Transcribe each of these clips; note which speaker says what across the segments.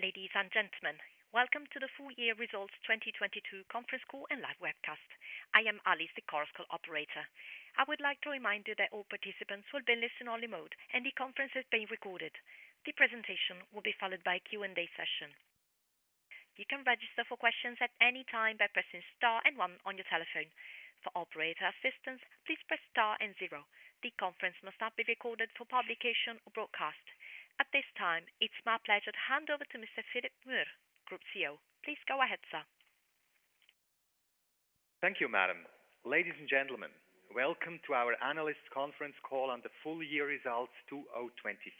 Speaker 1: Ladies and gentlemen, welcome to the full year results 2022 conference call and live webcast. I am Alice, the conference call operator. I would like to remind you that all participants will be listed on remote and the conference is being recorded. The presentation will be followed by Q&A session. You can register for questions at any time by pressing star one on your telephone. For operator assistance, please press star zero. The conference must not be recorded for publication or broadcast. At this time, it's my pleasure to hand over to Mr. Philipp Gmür, Group CEO. Please go ahead, sir.
Speaker 2: Thank you, madam. Ladies and gentlemen, welcome to our analyst conference call on the full year results 2022.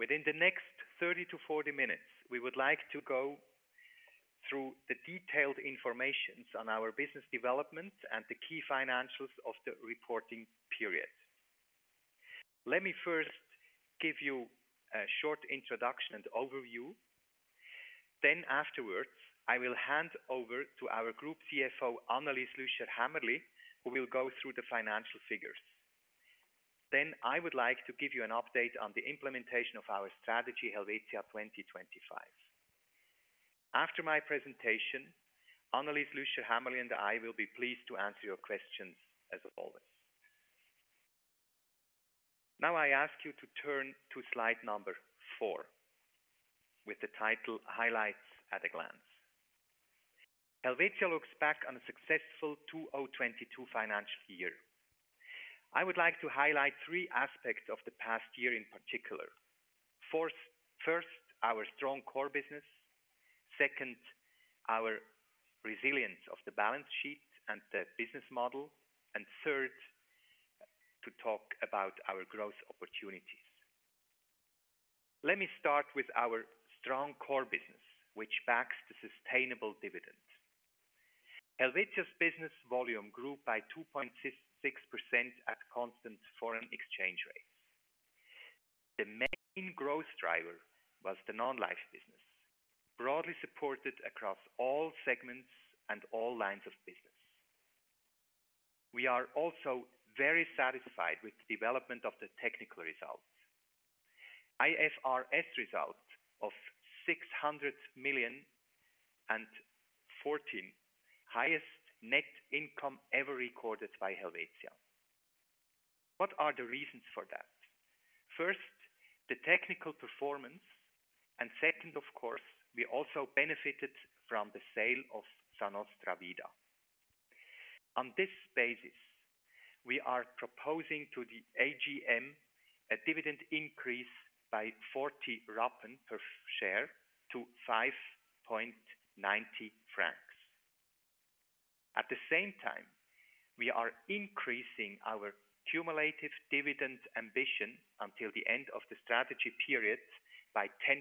Speaker 2: Within the next 30-40 minutes, we would like to go through the detailed informations on our business development and the key financials of the reporting period. Let me first give you a short introduction and overview. Afterwards, I will hand over to our Group CFO, Annelis Lüscher Hämmerli, who will go through the financial figures. I would like to give you an update on the implementation of our strategy, Helvetia 2025. After my presentation, Annelis Lüscher Hämmerli and I will be pleased to answer your questions as always. Now I ask you to turn to slide number four with the title, Highlights at a Glance. Helvetia looks back on a successful 2022 financial year. I would like to highlight three aspects of the past year in particular. First, our strong core business. Second, our resilience of the balance sheet and the business model. Third, to talk about our growth opportunities. Let me start with our strong core business, which backs the sustainable dividend. Helvetia's business volume grew by 2.66% at constant foreign exchange rates. The main growth driver was the non-life business, broadly supported across all segments and all lines of business. We are also very satisfied with the development of the technical results. IFRS results of 600 million and 14, highest net income ever recorded by Helvetia. What are the reasons for that? First, the technical performance, and second, of course, we also benefited from the sale of Sa Nostra Vida. On this basis, we are proposing to the AGM a dividend increase by 40 Rappen per share to 5.90 francs. At the same time, we are increasing our cumulative dividend ambition until the end of the strategy period by 10%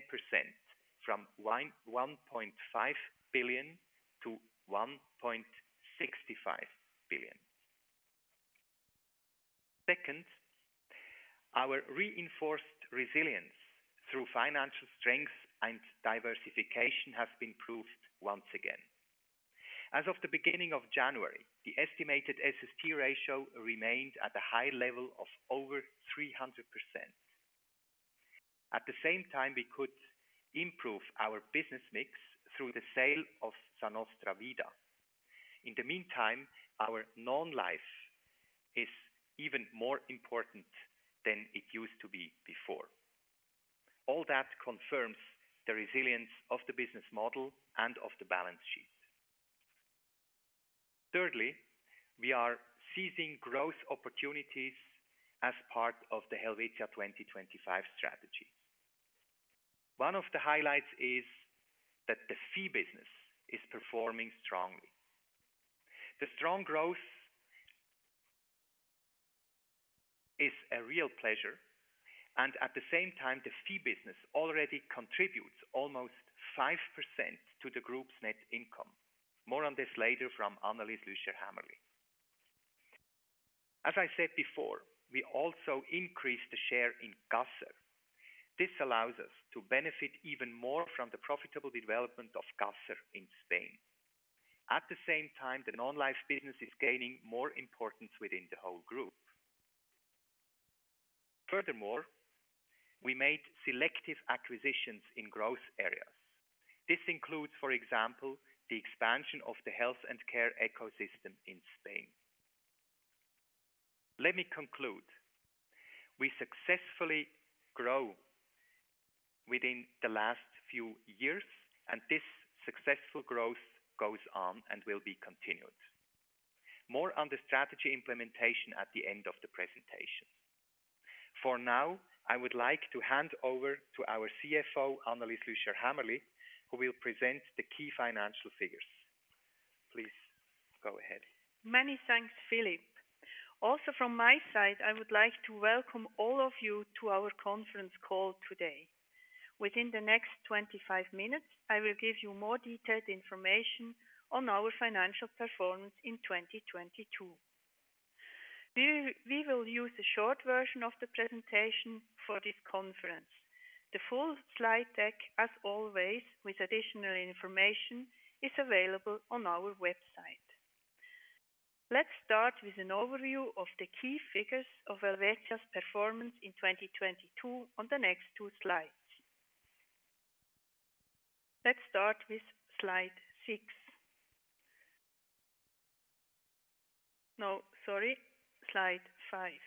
Speaker 2: from 1.5 billion-1.65 billion. Second, our reinforced resilience through financial strength and diversification has been proved once again. As of the beginning of January, the estimated SST ratio remained at a high level of over 300%. At the same time, we could improve our business mix through the sale of Sa Nostra Vida. In the meantime, our non-life is even more important than it used to be before. All that confirms the resilience of the business model and of the balance sheet. Thirdly, we are seizing growth opportunities as part of the Helvetia 2025 strategy. One of the highlights is that the fee business is performing strongly. The strong growth is a real pleasure, and at the same time, the fee business already contributes almost 5% to the group's net income. More on this later from Annelis Lüscher Hämmerli. As I said before, we also increased the share in Caser. This allows us to benefit even more from the profitable development of Caser in Spain. At the same time, the non-life business is gaining more importance within the whole group. Furthermore, we made selective acquisitions in growth areas. This includes, for example, the expansion of the health and care ecosystem in Spain. Let me conclude. We successfully grow within the last few years, and this successful growth goes on and will be continued. More on the strategy implementation at the end of the presentation. For now, I would like to hand over to our CFO, Annelis Lüscher Hämmerli, who will present the key financial figures. Please go ahead.
Speaker 3: Many thanks, Philipp. Also from my side, I would like to welcome all of you to our conference call today. Within the next 25 minutes, I will give you more detailed information on our financial performance in 2022. We will use a short version of the presentation for this conference. The full slide deck, as always, with additional information, is available on our website. Let's start with an overview of the key figures of Helvetia's performance in 2022 on the next two slides. Let's start with slide six. No, sorry slide five.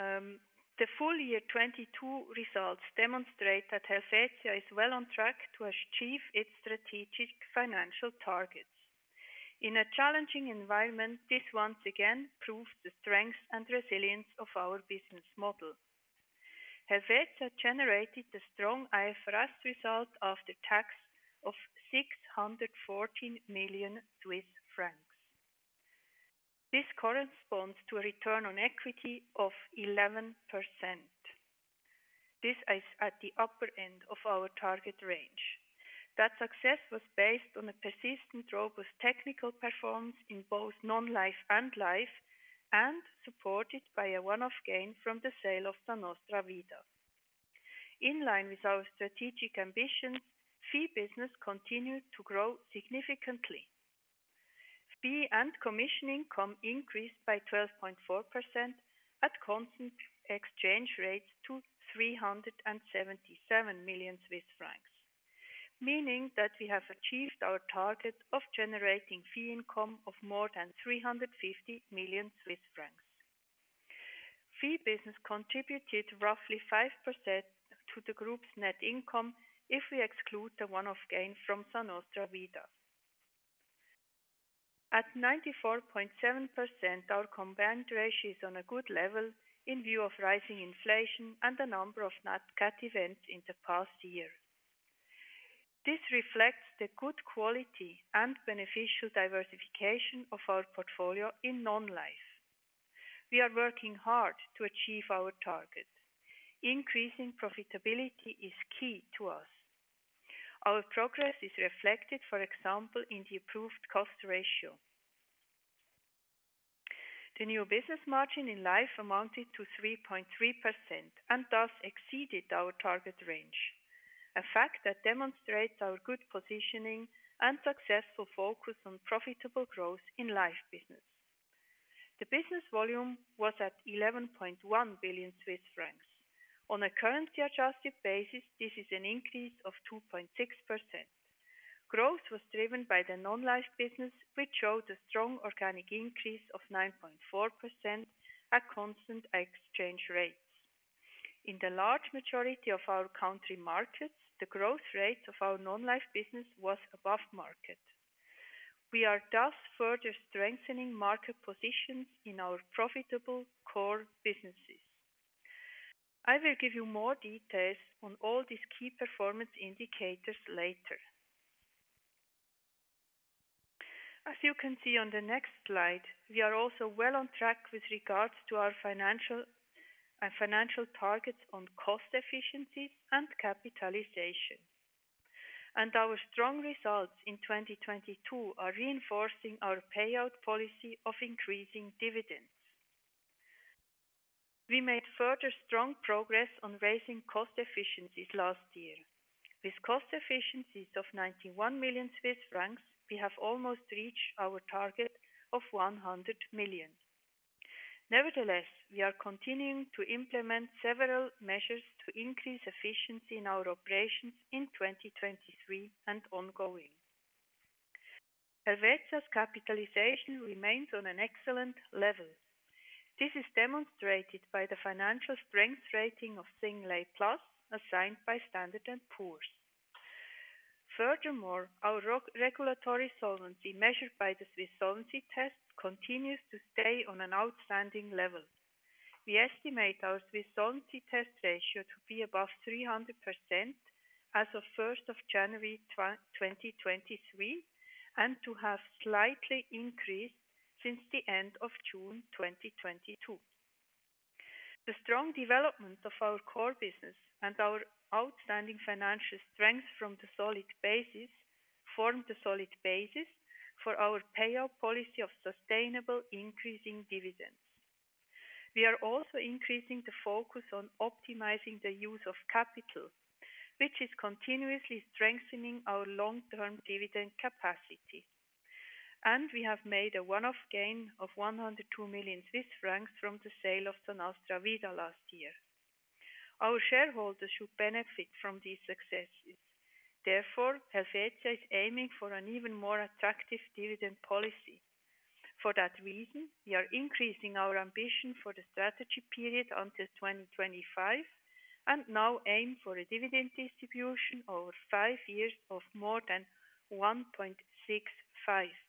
Speaker 3: The full year 2022 results demonstrate that Helvetia is well on track to achieve its strategic financial targets. In a challenging environment, this once again proves the strength and resilience of our business model. Helvetia generated a strong IFRS result after tax of 614 million Swiss francs. This corresponds to a return on equity of 11%. This is at the upper end of our target range. That success was based on a persistent robust technical performance in both non-life and life, and supported by a one-off gain from the sale of Sa Nostra Vida. In line with our strategic ambitions, fee business continued to grow significantly. Fee and commission income increased by 12.4% at constant exchange rates to 377 million Swiss francs, meaning that we have achieved our target of generating fee income of more than 350 million Swiss francs. Fee business contributed roughly 5% to the group's net income if we exclude the one-off gain from Sa Nostra Vida. At 94.7%, our combined ratio is on a good level in view of rising inflation and a number of nat cat events in the past year. This reflects the good quality and beneficial diversification of our portfolio in non-life. We are working hard to achieve our targets. Increasing profitability is key to us. Our progress is reflected, for example, in the improved cost ratio. The new business margin in life amounted to 3.3% and thus exceeded our target range, a fact that demonstrates our good positioning and successful focus on profitable growth in life business. The business volume was at 11.1 billion Swiss francs. On a currency-adjusted basis, this is an increase of 2.6%. Growth was driven by the non-life business, which showed a strong organic increase of 9.4% at constant exchange rates. In the large majority of our country markets, the growth rate of our non-life business was above market. We are thus further strengthening market positions in our profitable core businesses. I will give you more details on all these key performance indicators later. As you can see on the next slide, we are also well on track with regards to our financial and financial targets on cost efficiency and capitalization. Our strong results in 2022 are reinforcing our payout policy of increasing dividends. We made further strong progress on raising cost efficiencies last year. With cost efficiencies of 91 million Swiss francs, we have almost reached our target of 100 million. Nevertheless, we are continuing to implement several measures to increase efficiency in our operations in 2023 and ongoing. Helvetia's capitalization remains on an excellent level. This is demonstrated by the financial strength rating of A+ assigned by Standard & Poor's. Our regulatory solvency measured by the Swiss Solvency Test continues to stay on an outstanding level. We estimate our Swiss Solvency Test ratio to be above 300% as of January 1, 2023, and to have slightly increased since the end of June 2022. The strong development of our core business and our outstanding financial strength form the solid basis for our payout policy of sustainable increasing dividends. We are also increasing the focus on optimizing the use of capital, which is continuously strengthening our long-term dividend capacity. We have made a one-off gain of 102 million Swiss francs from the sale of Sa Nostra Vida last year. Our shareholders should benefit from these successes. Therefore, Helvetia is aiming for an even more attractive dividend policy. For that reason, we are increasing our ambition for the strategy period until 2025, and now aim for a dividend distribution over five years of more than 1.65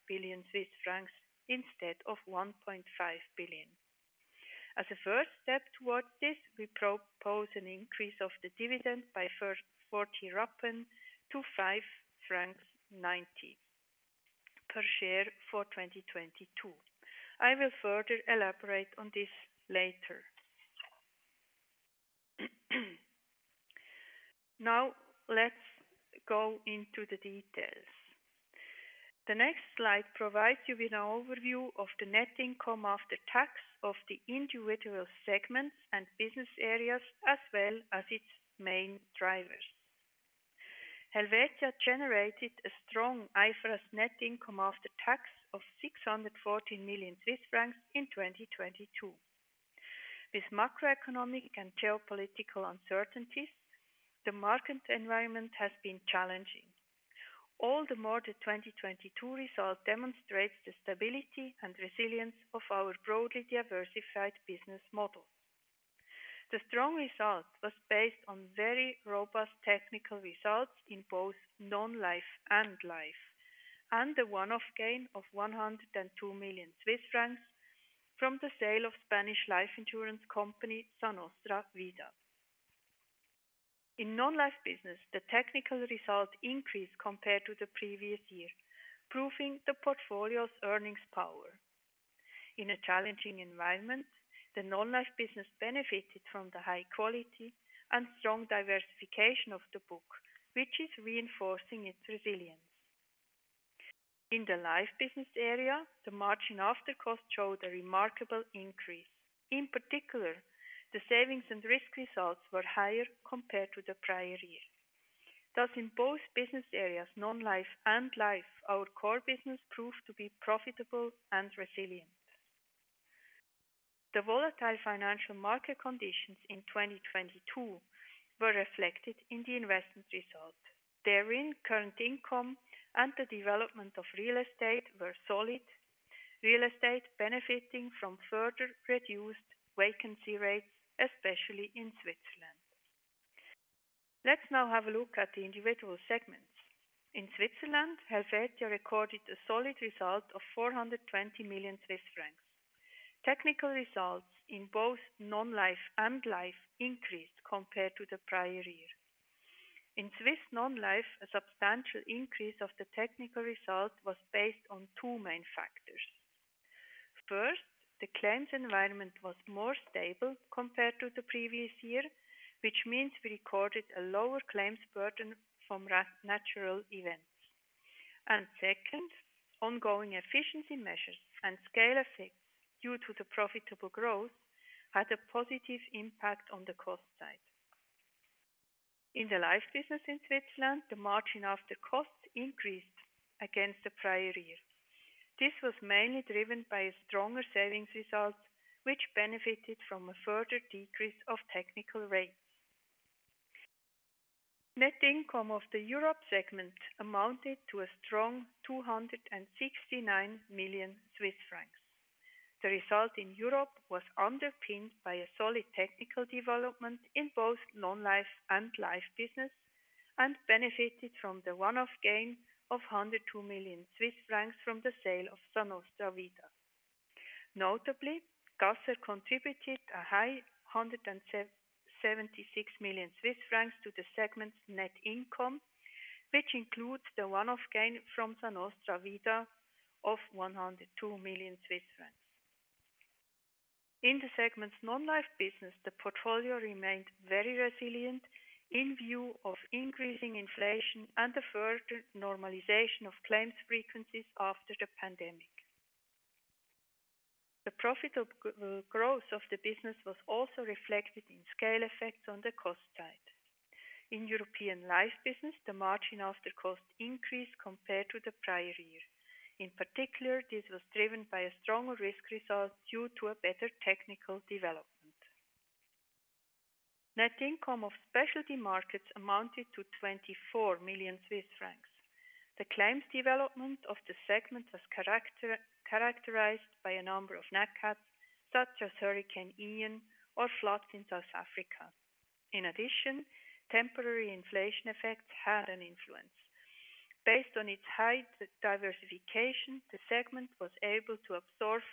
Speaker 3: billion Swiss francs instead of 1.5 billion. As a first step towards this, we propose an increase of the dividend by first 40 Rappen to 5.90 francs per share for 2022. I will further elaborate on this later. Now let's go into the details. The next slide provides you with an overview of the net income after tax of the individual segments and business areas, as well as its main drivers. Helvetia generated a strong IFRS net income after tax of 614 million Swiss francs in 2022. With macroeconomic and geopolitical uncertainties, the market environment has been challenging. All the more the 2022 result demonstrates the stability and resilience of our broadly diversified business model. The strong result was based on very robust technical results in both non-life and life, and the one-off gain of 102 million Swiss francs from the sale of Spanish life insurance company, Sa Nostra Vida. In non-life business, the technical result increased compared to the previous year, proving the portfolio's earnings power. In a challenging environment, the non-life business benefited from the high quality and strong diversification of the book, which is reinforcing its resilience. In the life business area, the margin after cost showed a remarkable increase. In particular, the savings and risk results were higher compared to the prior year. In both business areas, non-life and life, our core business proved to be profitable and resilient. The volatile financial market conditions in 2022 were reflected in the investment result. Therein, current income and the development of real estate were solid. Real estate benefiting from further reduced vacancy rates, especially in Switzerland. Let's now have a look at the individual segments. In Switzerland, Helvetia recorded a solid result of 420 million Swiss francs. Technical results in both non-life and life increased compared to the prior year. In Swiss non-life, a substantial increase of the technical result was based on two main factors. First, the claims environment was more stable compared to the previous year, which means we recorded a lower claims burden from natural events. Second, ongoing efficiency measures and scale effects due to the profitable growth had a positive impact on the cost side. In the life business in Switzerland, the margin after costs increased against the prior year. This was mainly driven by a stronger savings result, which benefited from a further decrease of technical rates. Net income of the Europe segment amounted to a strong 269 million Swiss francs. The result in Europe was underpinned by a solid technical development in both non-life and life business, and benefited from the one-off gain of 102 million Swiss francs from the sale of Sa Nostra Vida. Notably, Caser contributed a high 176 million Swiss francs to the segment's net income, which includes the one-off gain from Sa Nostra Vida of 102 million Swiss francs. In the segment's non-life business, the portfolio remained very resilient in view of increasing inflation and the further normalization of claims frequencies after the pandemic. The profitable growth of the business was also reflected in scale effects on the cost side. In European life business, the margin after cost increased compared to the prior year. In particular, this was driven by a stronger risk result due to a better technical development. Net income of Specialty Lines amounted to 24 million Swiss francs. The claims development of the segment was characterized by a number of nat cats, such as Hurricane Ian or floods in South Africa. In addition, temporary inflation effects had an influence. Based on its high diversification, the segment was able to absorb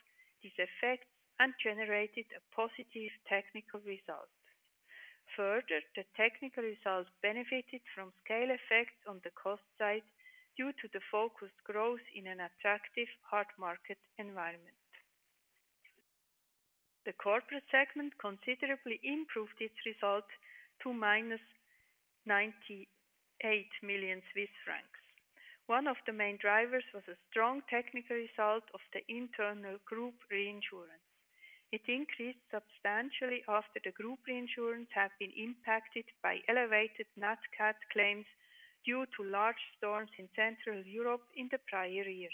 Speaker 3: these effects and generated a positive technical result. Further, the technical results benefited from scale effects on the cost side due to the focused growth in an attractive hard market environment. The corporate segment considerably improved its result to -98 million Swiss francs. One of the main drivers was a strong technical result of the internal group reinsurance. It increased substantially after the group reinsurance had been impacted by elevated nat cat claims due to large storms in Central Europe in the prior year.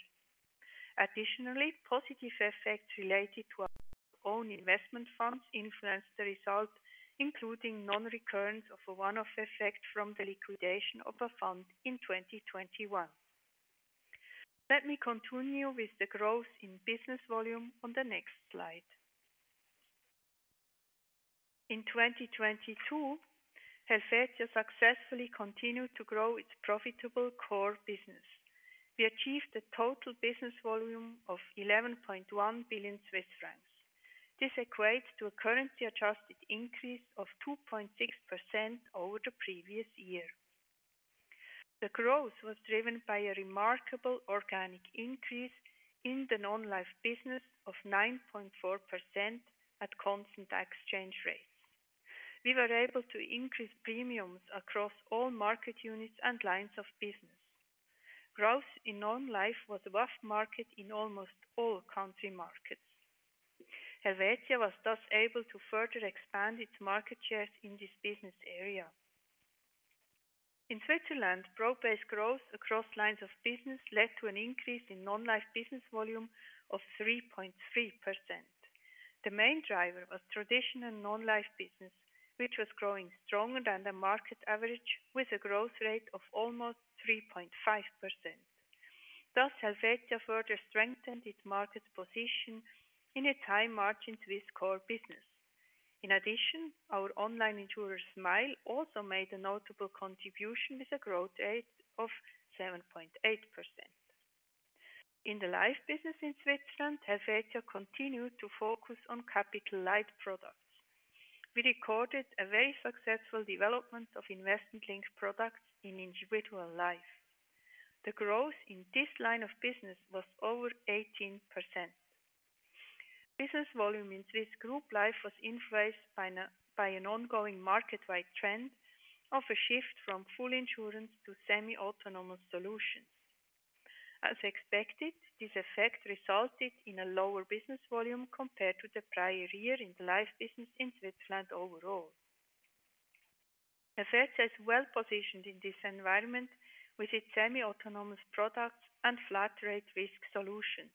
Speaker 3: Additionally, positive effects related to our own investment funds influenced the result, including non-recurrence of a one-off effect from the liquidation of a fund in 2021. Let me continue with the growth in business volume on the next slide. In 2022, Helvetia successfully continued to grow its profitable core business. We achieved a total business volume of 11.1 billion Swiss francs. This equates to a currency-adjusted increase of 2.6% over the previous year. The growth was driven by a remarkable organic increase in the non-life business of 9.4% at constant exchange rates. We were able to increase premiums across all market units and lines of business. Growth in non-life was above market in almost all country markets. Helvetia was thus able to further expand its market shares in this business area. In Switzerland, broad-based growth across lines of business led to an increase in non-life business volume of 3.3%. The main driver was traditional non-life business, which was growing stronger than the market average with a growth rate of almost 3.5%. Thus, Helvetia further strengthened its market position in a high margin Swiss core business. In addition, our online insurer Smile also made a notable contribution with a growth rate of 7.8%. In the life business in Switzerland, Helvetia continued to focus on capital-light products. We recorded a very successful development of investment-linked products in individual life. The growth in this line of business was over 18%. Business volume in Swiss group life was influenced by an ongoing market-wide trend of a shift from full insurance to semi-autonomous solutions. As expected, this effect resulted in a lower business volume compared to the prior year in the life business in Switzerland overall. Helvetia is well positioned in this environment with its semi-autonomous products and flat rate risk solutions.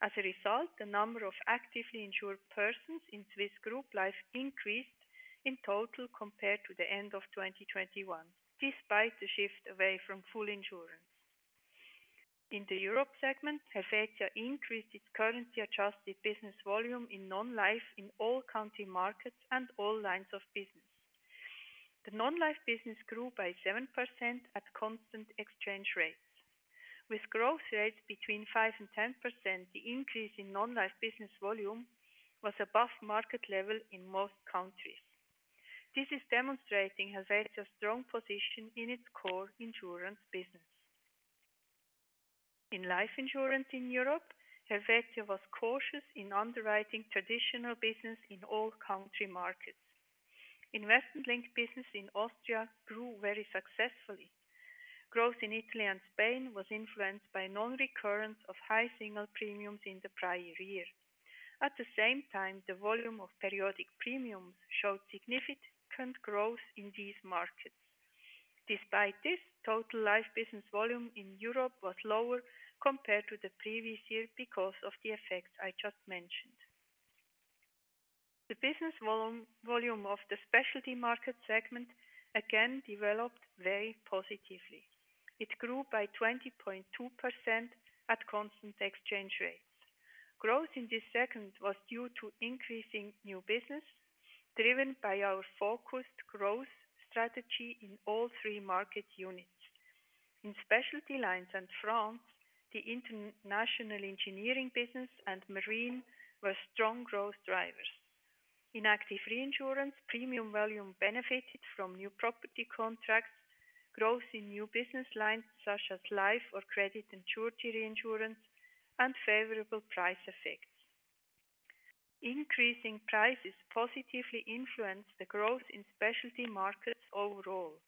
Speaker 3: As a result, the number of actively insured persons in Swiss group life increased in total compared to the end of 2021, despite the shift away from full insurance. In the Europe segment, Helvetia increased its currency-adjusted business volume in non-life in all country markets and all lines of business. The non-life business grew by 7% at constant exchange rates. With growth rates between 5% and 10%, the increase in non-life business volume was above market level in most countries. This is demonstrating Helvetia's strong position in its core insurance business. In life insurance in Europe, Helvetia was cautious in underwriting traditional business in all country markets. Investment-linked business in Austria grew very successfully. Growth in Italy and Spain was influenced by non-recurrence of high single premiums in the prior year. At the same time, the volume of periodic premiums showed significant growth in these markets. Despite this, total life business volume in Europe was lower compared to the previous year because of the effects I just mentioned. The business volume of the specialty market segment again developed very positively. It grew by 20.2% at constant exchange rates. Growth in this segment was due to increasing new business driven by our focused growth strategy in all three market units. In Specialty Lines and France, the international engineering business and marine were strong growth drivers. In active reinsurance, premium volume benefited from new property contracts, growth in new business lines such as life or credit and surety reinsurance and favorable price effects. Increasing prices positively influenced the growth in specialty markets overall.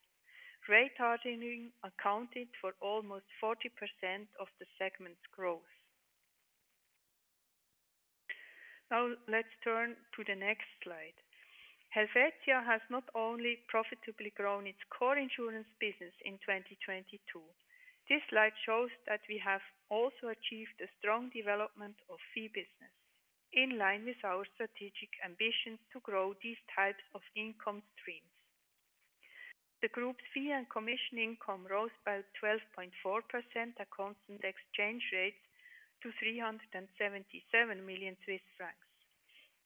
Speaker 3: Rate hardening accounted for almost 40% of the segment's growth. Let's turn to the next slide. Helvetia has not only profitably grown its core insurance business in 2022. This slide shows that we have also achieved a strong development of fee business in line with our strategic ambitions to grow these types of income streams. The group fee and commission income rose by 12.4% at constant exchange rates to 377 million Swiss francs.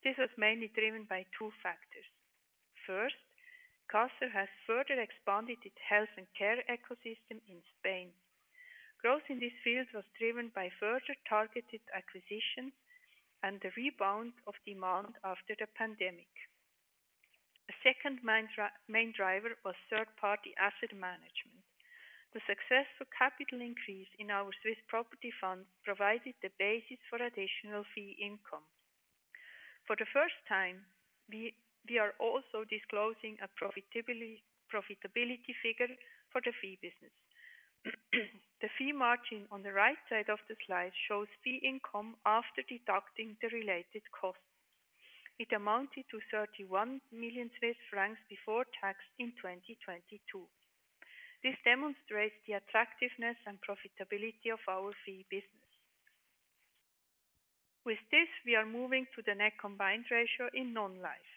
Speaker 3: This was mainly driven by two factors. First, Caser has further expanded its health and care ecosystem in Spain. Growth in this field was driven by further targeted acquisitions and the rebound of demand after the pandemic. The second main driver was third-party asset management. The successful capital increase in our Swiss Property Fund provided the basis for additional fee income. For the first time, we are also disclosing a profitability figure for the fee business. The fee margin on the right side of the slide shows fee income after deducting the related costs. It amounted to 31 million Swiss francs before tax in 2022. This demonstrates the attractiveness and profitability of our fee business. With this, we are moving to the net combined ratio in non-life.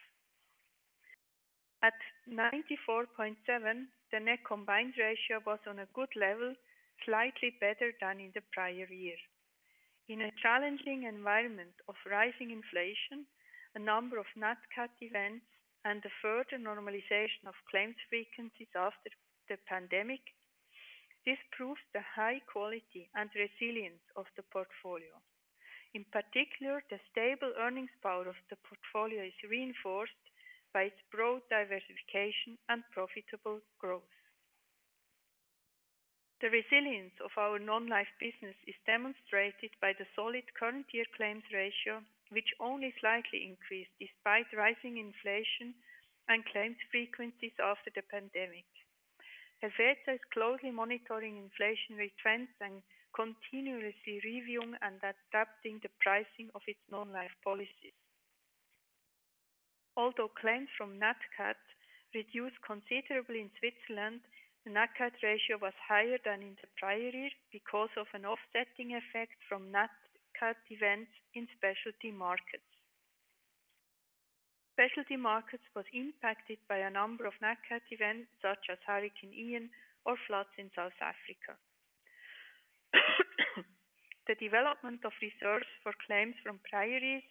Speaker 3: At 94.7%, the net combined ratio was on a good level, slightly better than in the prior year. In a challenging environment of rising inflation, a number of nat cat events, and the further normalization of claims frequencies after the pandemic, this proves the high quality and resilience of the portfolio. In particular, the stable earnings power of the portfolio is reinforced by its broad diversification and profitable growth. The resilience of our non-life business is demonstrated by the solid current year claims ratio, which only slightly increased despite rising inflation and claims frequencies after the pandemic. Helvetia is closely monitoring inflationary trends and continuously reviewing and adapting the pricing of its non-life policies. Although claims from nat cat reduced considerably in Switzerland, the nat cat ratio was higher than in the prior year because of an offsetting effect from nat cat events in specialty markets. Specialty markets was impacted by a number of nat cat events such as Hurricane Ian or floods in South Africa. The development of reserves for claims from prior years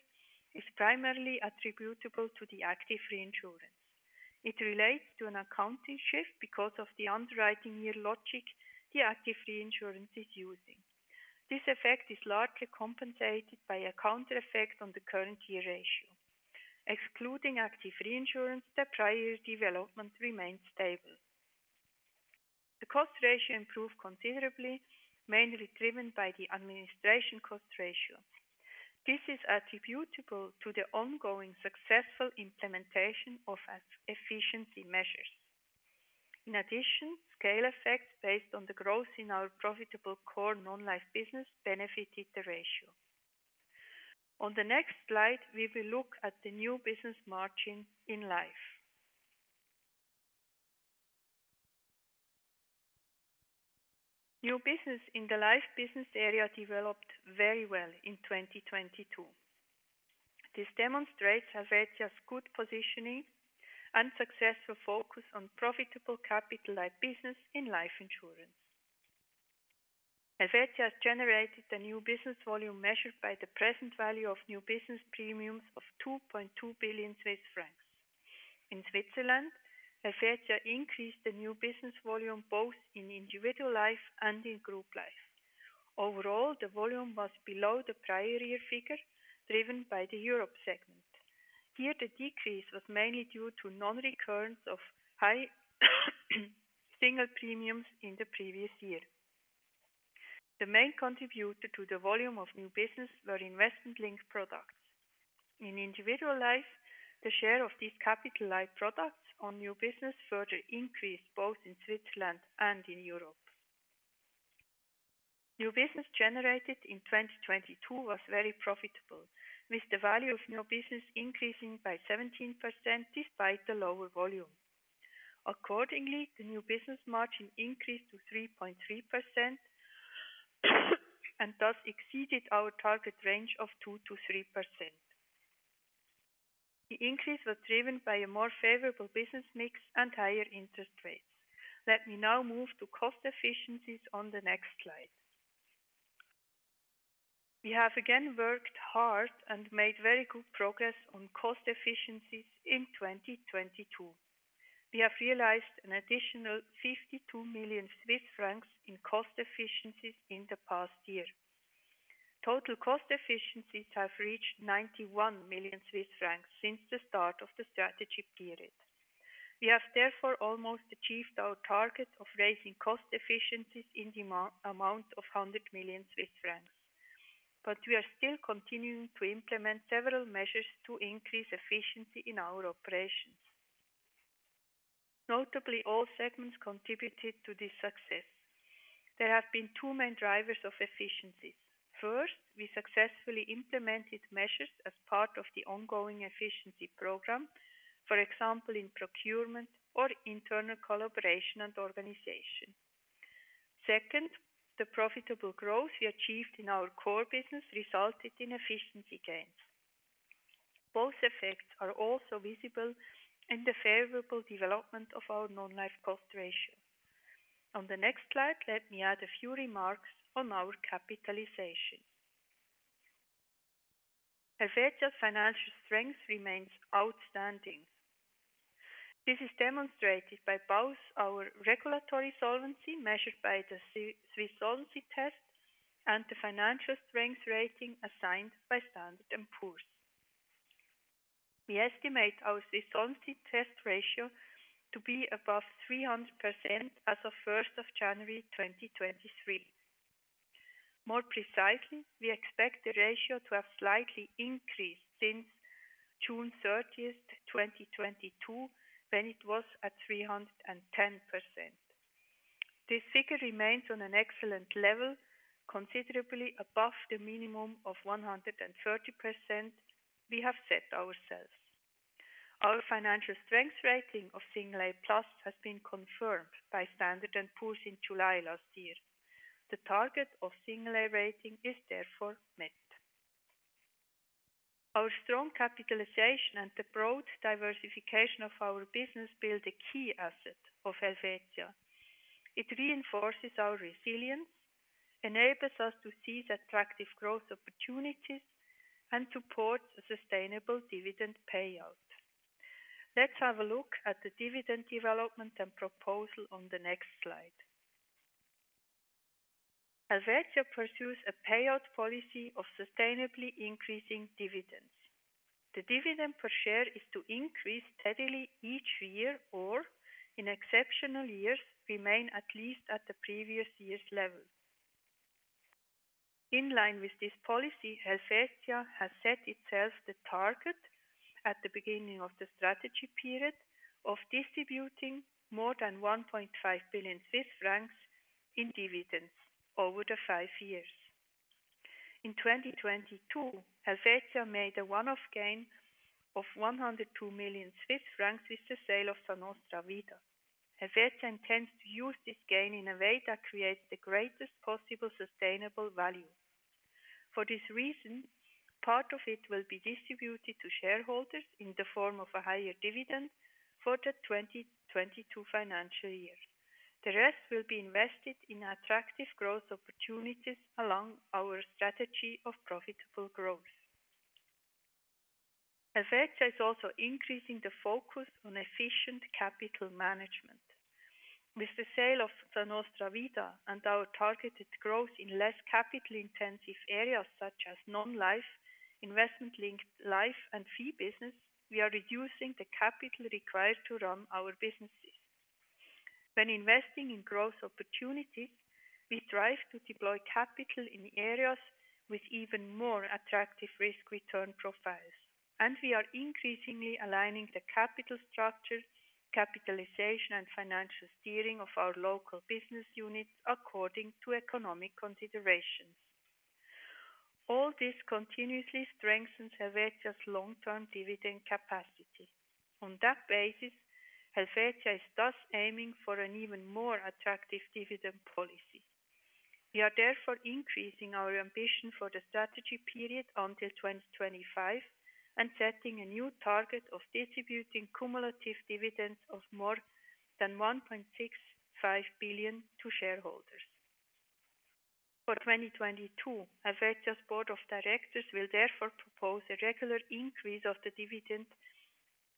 Speaker 3: is primarily attributable to the active reinsurance. It relates to an accounting shift because of the underwriting year logic the active reinsurance is using. This effect is largely compensated by a counter effect on the current year ratio. Excluding active reinsurance, the prior year development remains stable. The cost ratio improved considerably, mainly driven by the administration cost ratio. This is attributable to the ongoing successful implementation of efficiency measures. Scale effects based on the growth in our profitable core non-life business benefited the ratio. On the next slide, we will look at the new business margin in life. New business in the life business area developed very well in 2022. This demonstrates Helvetia's good positioning and successful focus on profitable capital-light business in life insurance. Helvetia has generated a new business volume measured by the present value of new business premiums of 2.2 billion Swiss francs. In Switzerland, Helvetia increased the new business volume both in individual life and in group life. Overall, the volume was below the prior year figure driven by the Europe segment. Here the decrease was mainly due to non-recurrence of high single premiums in the previous year. The main contributor to the volume of new business were investment-linked products. In individual life, the share of these capital-light products on new business further increased both in Switzerland and in Europe. New business generated in 2022 was very profitable, with the value of new business increasing by 17% despite the lower volume. Accordingly, the new business margin increased to 3.3% and thus exceeded our target range of 2%-3%. The increase was driven by a more favorable business mix and higher interest rates. Let me now move to cost efficiencies on the next slide. We have again worked hard and made very good progress on cost efficiencies in 2022. We have realized an additional 52 million Swiss francs in cost efficiencies in the past year. Total cost efficiencies have reached 91 million Swiss francs since the start of the strategy period. We have therefore almost achieved our target of raising cost efficiencies in the amount of 100 million Swiss francs. We are still continuing to implement several measures to increase efficiency in our operations. Notably, all segments contributed to this success. There have been two main drivers of efficiencies. First, we successfully implemented measures as part of the ongoing efficiency program. For example, in procurement or internal collaboration and organization. Second, the profitable growth we achieved in our core business resulted in efficiency gains. Both effects are also visible in the favorable development of our non-life cost ratio. On the next slide, let me add a few remarks on our capitalization. Helvetia's financial strength remains outstanding. This is demonstrated by both our regulatory solvency measured by the Swiss Solvency Test and the financial strength rating assigned by Standard & Poor's. We estimate our Swiss Solvency Test ratio to be above 300% as of 1 January 2023. More precisely, we expect the ratio to have slightly increased since 30 June 2022, when it was at 310%. This figure remains on an excellent level, considerably above the minimum of 130% we have set ourselves. Our financial strength rating of A+ has been confirmed by Standard & Poor's in July last year. The target of A rating is therefore met. Our strong capitalization and the broad diversification of our business build a key asset of Helvetia. It reinforces our resilience, enables us to seize attractive growth opportunities, and supports a sustainable dividend payout. Let's have a look at the dividend development and proposal on the next slide. Helvetia pursues a payout policy of sustainably increasing dividends. The dividend per share is to increase steadily each year or in exceptional years, remain at least at the previous year's level. In line with this policy, Helvetia has set itself the target at the beginning of the strategy period of distributing more than 1.5 billion Swiss francs in dividends over the five years. In 2022, Helvetia made a one-off gain of 102 million Swiss francs with the sale of Sa Nostra Vida. Helvetia intends to use this gain in a way that creates the greatest possible sustainable value. For this reason, part of it will be distributed to shareholders in the form of a higher dividend for the 2022 financial year. The rest will be invested in attractive growth opportunities along our strategy of profitable growth. Helvetia is also increasing the focus on efficient capital management. With the sale of Sa Nostra Vida and our targeted growth in less capital-intensive areas such as non-life, investment-linked life and fee business, we are reducing the capital required to run our businesses. When investing in growth opportunities, we strive to deploy capital in the areas with even more attractive risk-return profiles. We are increasingly aligning the capital structure, capitalization and financial steering of our local business units according to economic considerations. All this continuously strengthens Helvetia's long-term dividend capacity. On that basis, Helvetia is thus aiming for an even more attractive dividend policy. We are therefore increasing our ambition for the strategy period until 2025 and setting a new target of distributing cumulative dividends of more than 1.65 billion to shareholders. For 2022, Helvetia's board of directors will therefore propose a regular increase of the dividend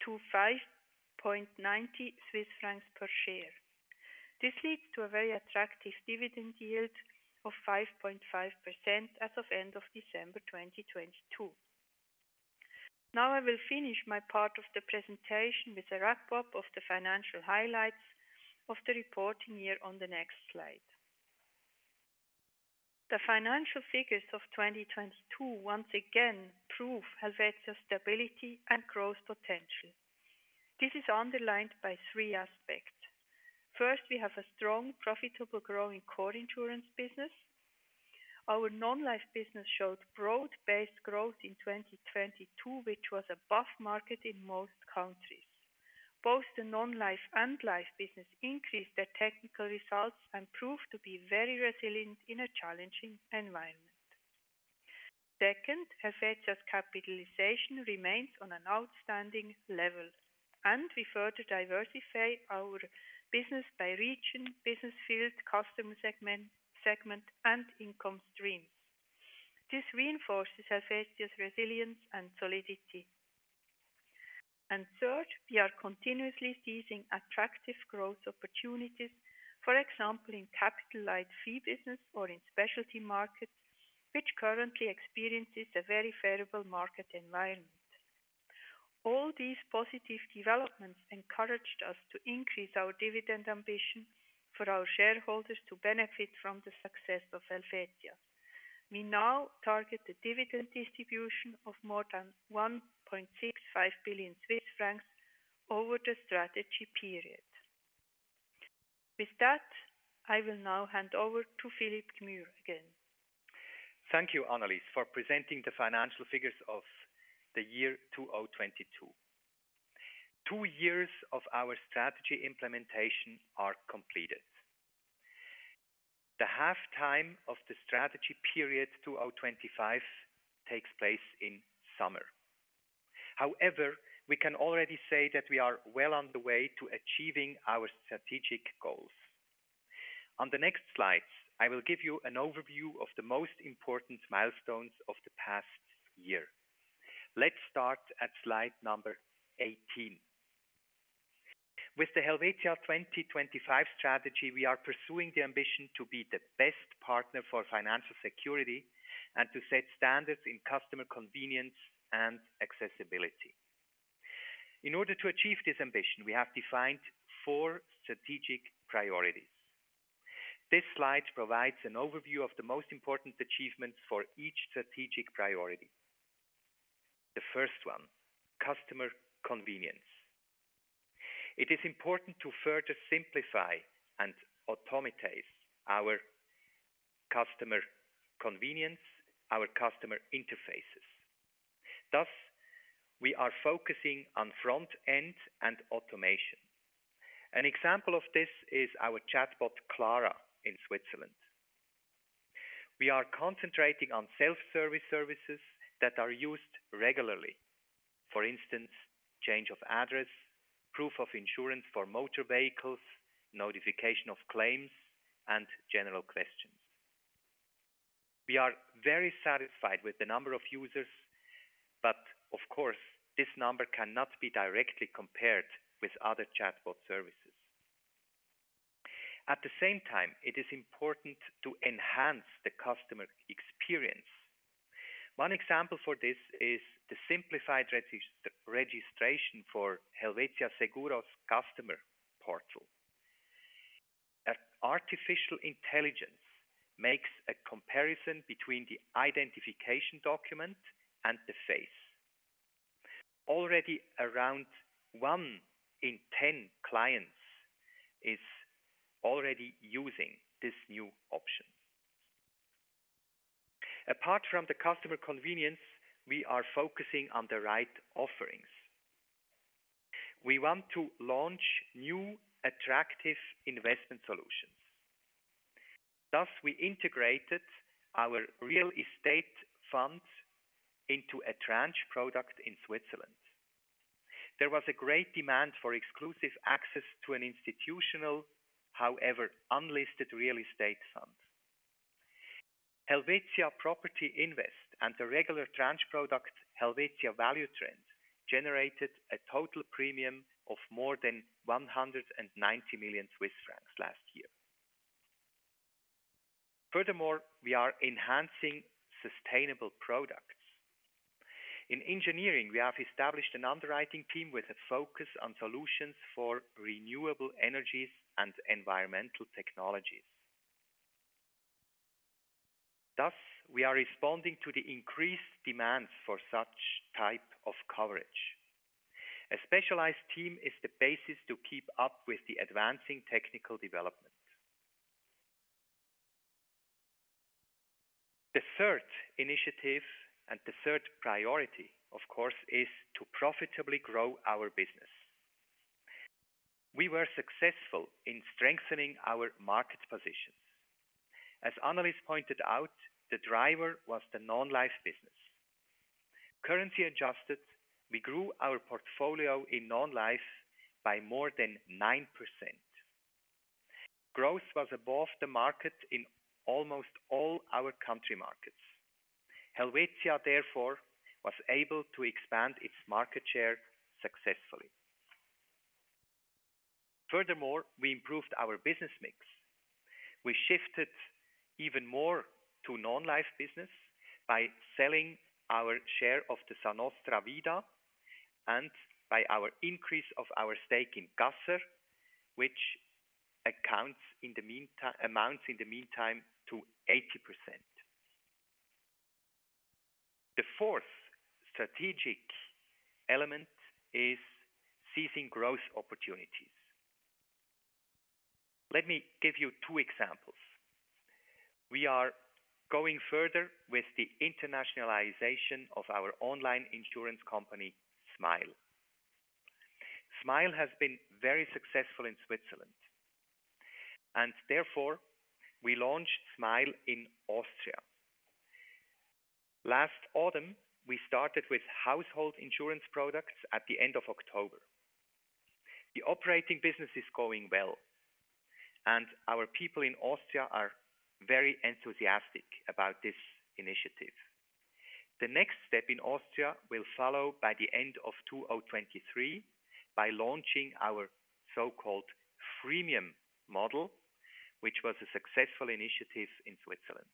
Speaker 3: to 5.90 Swiss francs per share. This leads to a very attractive dividend yield of 5.5% as of end of December 2022. I will finish my part of the presentation with a wrap-up of the financial highlights of the reporting year on the next slide. The financial figures of 2022 once again prove Helvetia's stability and growth potential. This is underlined by three aspects. First, we have a strong, profitable, growing core insurance business. Our non-life business showed broad-based growth in 2022, which was above market in most countries. Both the non-life and life business increased their technical results and proved to be very resilient in a challenging environment. Second, Helvetia's capitalization remains on an outstanding level, and we further diversify our business by region, business field, customer segment, and income streams. This reinforces Helvetia's resilience and solidity. Third, we are continuously seizing attractive growth opportunities, for example, in capital-light fee business or in specialty markets, which currently experiences a very favorable market environment. All these positive developments encouraged us to increase our dividend ambition for our shareholders to benefit from the success of Helvetia. We now target the dividend distribution of more than 1.65 billion Swiss francs over the strategy period. With that, I will now hand over to Philipp Gmür again.
Speaker 2: Thank you, Annelis, for presenting the financial figures of the year 2022. Two years of our strategy implementation are completed. The half-time of the strategy period 2025 takes place in summer. We can already say that we are well on the way to achieving our strategic goals. On the next slides, I will give you an overview of the most important milestones of the past year. Let's start at slide number 18. With the Helvetia 2025 strategy, we are pursuing the ambition to be the best partner for financial security and to set standards in customer convenience and accessibility. In order to achieve this ambition, we have defined four strategic priorities. This slide provides an overview of the most important achievements for each strategic priority. The first one, customer convenience. It is important to further simplify and automatize our customer convenience, our customer interfaces. We are focusing on front end and automation. An example of this is our chatbot, Clara, in Switzerland. We are concentrating on self-service services that are used regularly. For instance, change of address, proof of insurance for motor vehicles, notification of claims, and general questions. We are very satisfied with the number of users, but of course, this number cannot be directly compared with other chatbot services. At the same time, it is important to enhance the customer experience. One example for this is the simplified registration for Helvetia Seguros' customer portal. A artificial intelligence makes a comparison between the identification document and the face. Already around one in 10 clients is already using this new option. Apart from the customer convenience, we are focusing on the right offerings. We want to launch new attractive investment solutions. We integrated our real estate fund into a tranche product in Switzerland. There was a great demand for exclusive access to an institutional, however, unlisted real estate fund. Helvetia Property Invest and the regular tranche product, Helvetia Value Trend, generated a total premium of more than 190 million Swiss francs last year. Furthermore, we are enhancing sustainable products. In engineering, we have established an underwriting team with a focus on solutions for renewable energies and environmental technologies. Thus, we are responding to the increased demand for such type of coverage. A specialized team is the basis to keep up with the advancing technical development. The third initiative and the third priority, of course, is to profitably grow our business. We were successful in strengthening our market positions. As Annelis pointed out, the driver was the non-life business. Currency adjusted, we grew our portfolio in non-life by more than 9%. Growth was above the market in almost all our country markets. Helvetia, therefore, was able to expand its market share successfully. Furthermore, we improved our business mix. We shifted even more to non-life business by selling our share of the Sa Nostra Vida and by our increase of our stake in Caser, which amounts in the meantime to 80%. The fourth strategic element is seizing growth opportunities. Let me give you two examples. We are going further with the internationalization of our online insurance company, Smile. Smile has been very successful in Switzerland, and therefore we launched Smile in Austria. Last autumn, we started with household insurance products at the end of October. The operating business is going well, and our people in Austria are very enthusiastic about this initiative. The next step in Austria will follow by the end of 2023 by launching our so-called freemium model, which was a successful initiative in Switzerland.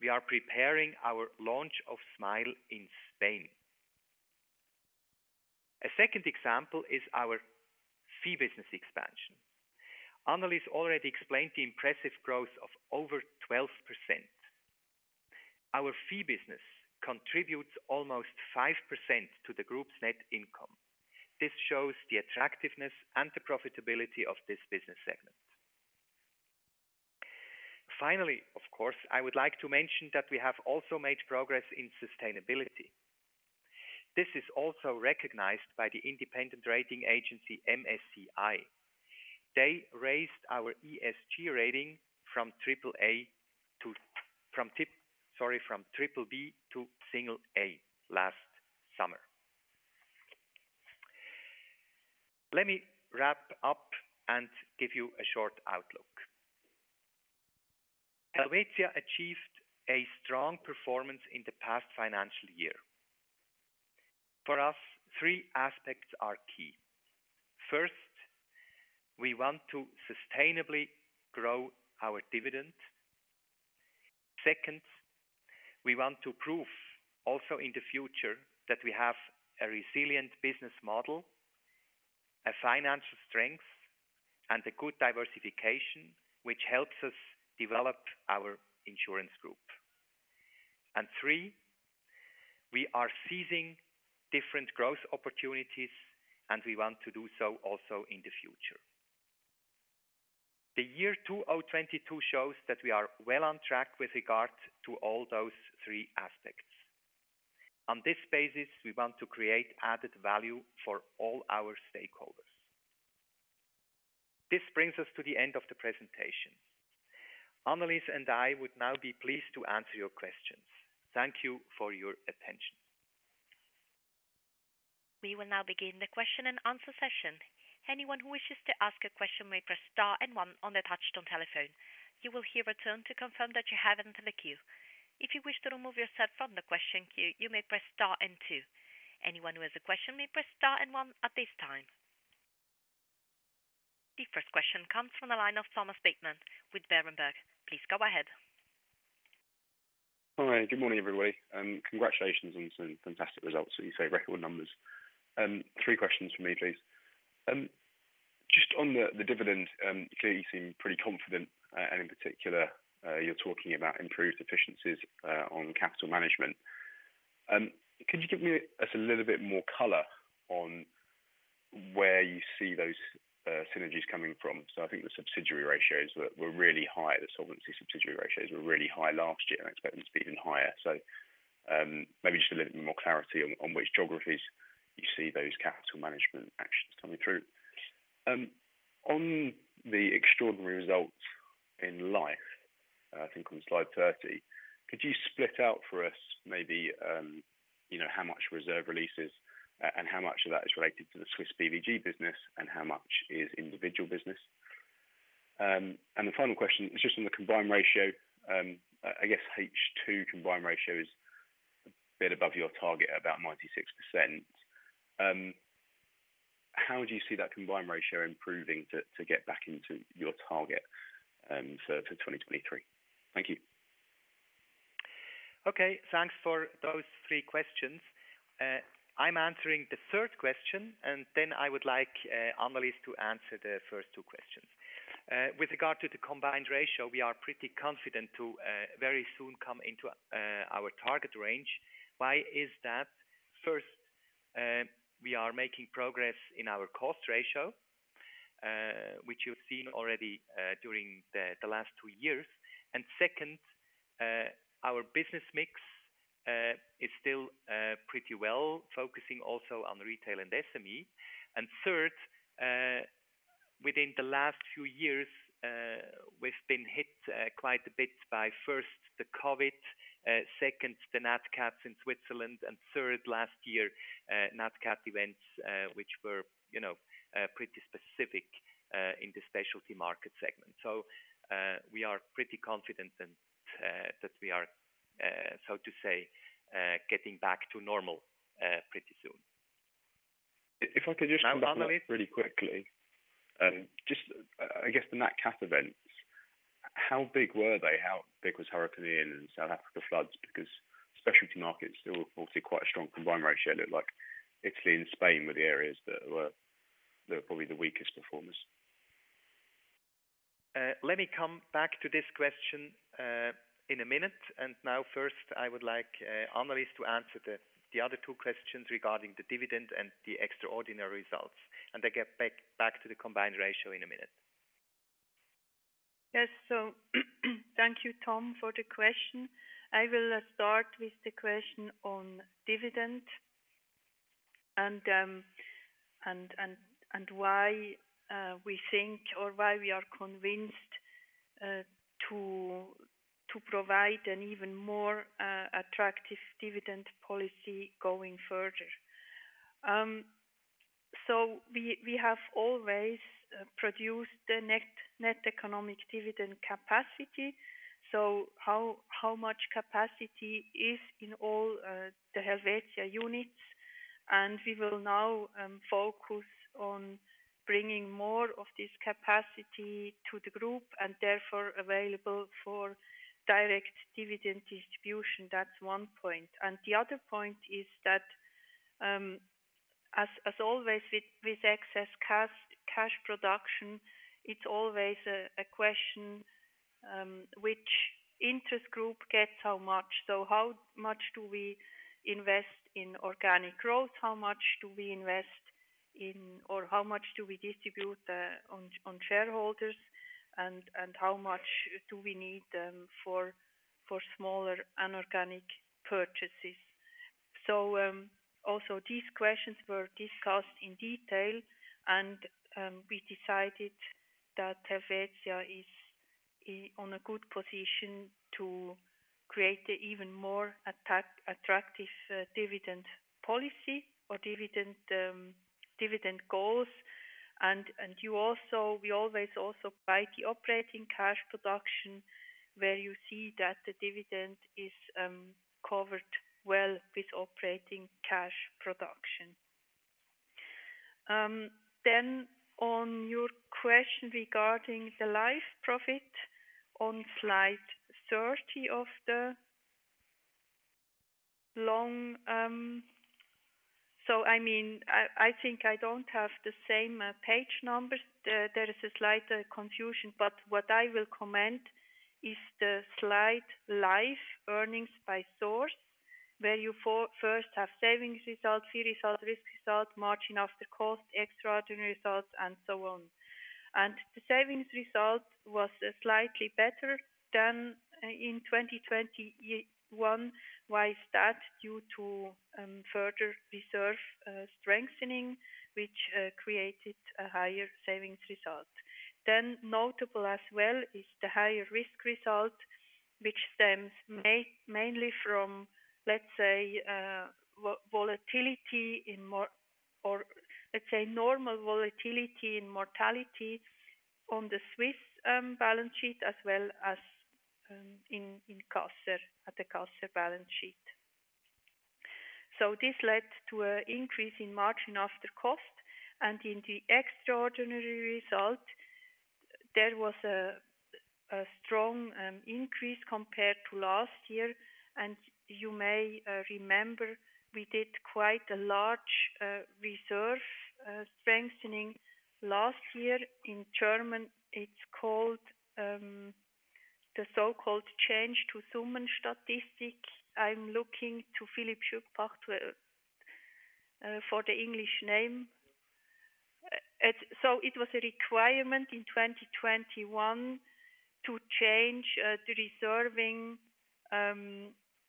Speaker 2: We are preparing our launch of Smile in Spain. A second example is our fee business expansion. Annelis already explained the impressive growth of over 12%. Our fee business contributes almost 5% to the group's net income. This shows the attractiveness and the profitability of this business segment. Of course, I would like to mention that we have also made progress in sustainability. This is also recognized by the independent rating agency MSCI. They raised our ESG rating from triple A Sorry, from triple B to single A last summer. Let me wrap up and give you a short outlook. Helvetia achieved a strong performance in the past financial year. For us, three aspects are key. First, we want to sustainably grow our dividend. Second, we want to prove also in the future that we have a resilient business model, a financial strength, and a good diversification, which helps us develop our insurance group. Three, we are seizing different growth opportunities, and we want to do so also in the future. The year 2022 shows that we are well on track with regard to all those three aspects. On this basis, we want to create added value for all our stakeholders. This brings us to the end of the presentation. Annelis and I would now be pleased to answer your questions. Thank you for your attention.
Speaker 1: We will now begin the question and answer session. Anyone who wishes to ask a question may press star and one on the touchtone telephone. You will hear a tone to confirm that you have entered the queue. If you wish to remove yourself from the question queue, you may press star and two. Anyone who has a question may press star and one at this time. The first question comes from the line of Thomas Bateman with Berenberg. Please go ahead.
Speaker 4: Hi, good morning, everybody. Congratulations on some fantastic results. As you say, record numbers. Three questions from me, please. Just on the dividend, clearly you seem pretty confident, and in particular, you're talking about improved efficiencies on capital management. Could you give us a little bit more color on where you see those synergies coming from? I think the subsidiary ratios were really high. The solvency subsidiary ratios were really high last year, and I expect them to be even higher. Maybe just a little bit more clarity on which geographies you see those capital management actions coming through. On the extraordinary results in Life, I think on slide 30, could you split out for us maybe, you know, how much reserve releases, and how much of that is related to the Swiss BVG business and how much is individual business? The final question is just on the combined ratio. I guess H2 combined ratio is a bit above your target at about 96%. How do you see that combined ratio improving to get back into your target for 2023? Thank you.
Speaker 2: Okay. Thanks for those three questions. I'm answering the 3rd question, then I would like Annelis to answer the 1st two questions. With regard to the combined ratio, we are pretty confident to very soon come into our target range. Why is that? First, we are making progress in our cost ratio, which you've seen already during the last two years. Second, our business mix is still pretty well focusing also on retail and SME. Third, within the last few years, we've been hit quite a bit by 1st the COVID, 2nd the nat cats in Switzerland, and 3rd last year, nat cat events, which were, you know, pretty specific in the specialty market segment. We are pretty confident and that we are, so to say, getting back to normal pretty soon.
Speaker 4: If I could follow up really quickly. Just I guess the nat cat events, how big were they? How big was Hurricane Ian and South Africa floods? Specialty markets, they were obviously quite a strong combined ratio. It looked like Italy and Spain were the areas that were probably the weakest performers.
Speaker 2: Let me come back to this question in a minute. Now first, I would like Annelis to answer the other two questions regarding the dividend and the extraordinary results. I get back to the combined ratio in a minute.
Speaker 3: Yes. Thank you, Tom, for the question. I will start with the question on dividend and why we think or why we are convinced to provide an even more attractive dividend policy going further. We have always produced the net economic dividend capacity. How much capacity is in all the Helvetia units? We will now focus on bringing more of this capacity to the group and therefore available for direct dividend distribution. That's one point. The other point is that as always with excess cash production, it's always a question which interest group gets how much? How much do we invest in organic growth? How much do we invest in or how much do we distribute on shareholders? How much do we need for smaller inorganic purchases? Also these questions were discussed in detail and we decided that Helvetia is on a good position to create an even more attractive dividend policy or dividend dividend goals. We always also buy the operating cash production where you see that the dividend is covered well with operating cash production. On your question regarding the Life profit on slide 30 of the long. I mean, I think I don't have the same page numbers. There is a slight confusion, but what I will comment is the slide Life earnings by source, where you first have savings results, fee results, risk results, margin after cost, extraordinary results, and so on. The savings result was slightly better than in 2021. Why is that? Due to further reserve strengthening which created a higher savings result. Notable as well is the higher risk result which stems mainly from, let's say, volatility in or let's say normal volatility in mortality on the Swiss balance sheet as well as in Caser at the Caser balance sheet. This led to an increase in margin after cost. In the extraordinary result, there was a strong increase compared to last year. You may remember we did quite a large reserve strengthening last year. In German, it's called the so-called change to Summenstatistik. I'm looking to Philipp Schüpbach for the English name. It was a requirement in 2021 to change the reserving of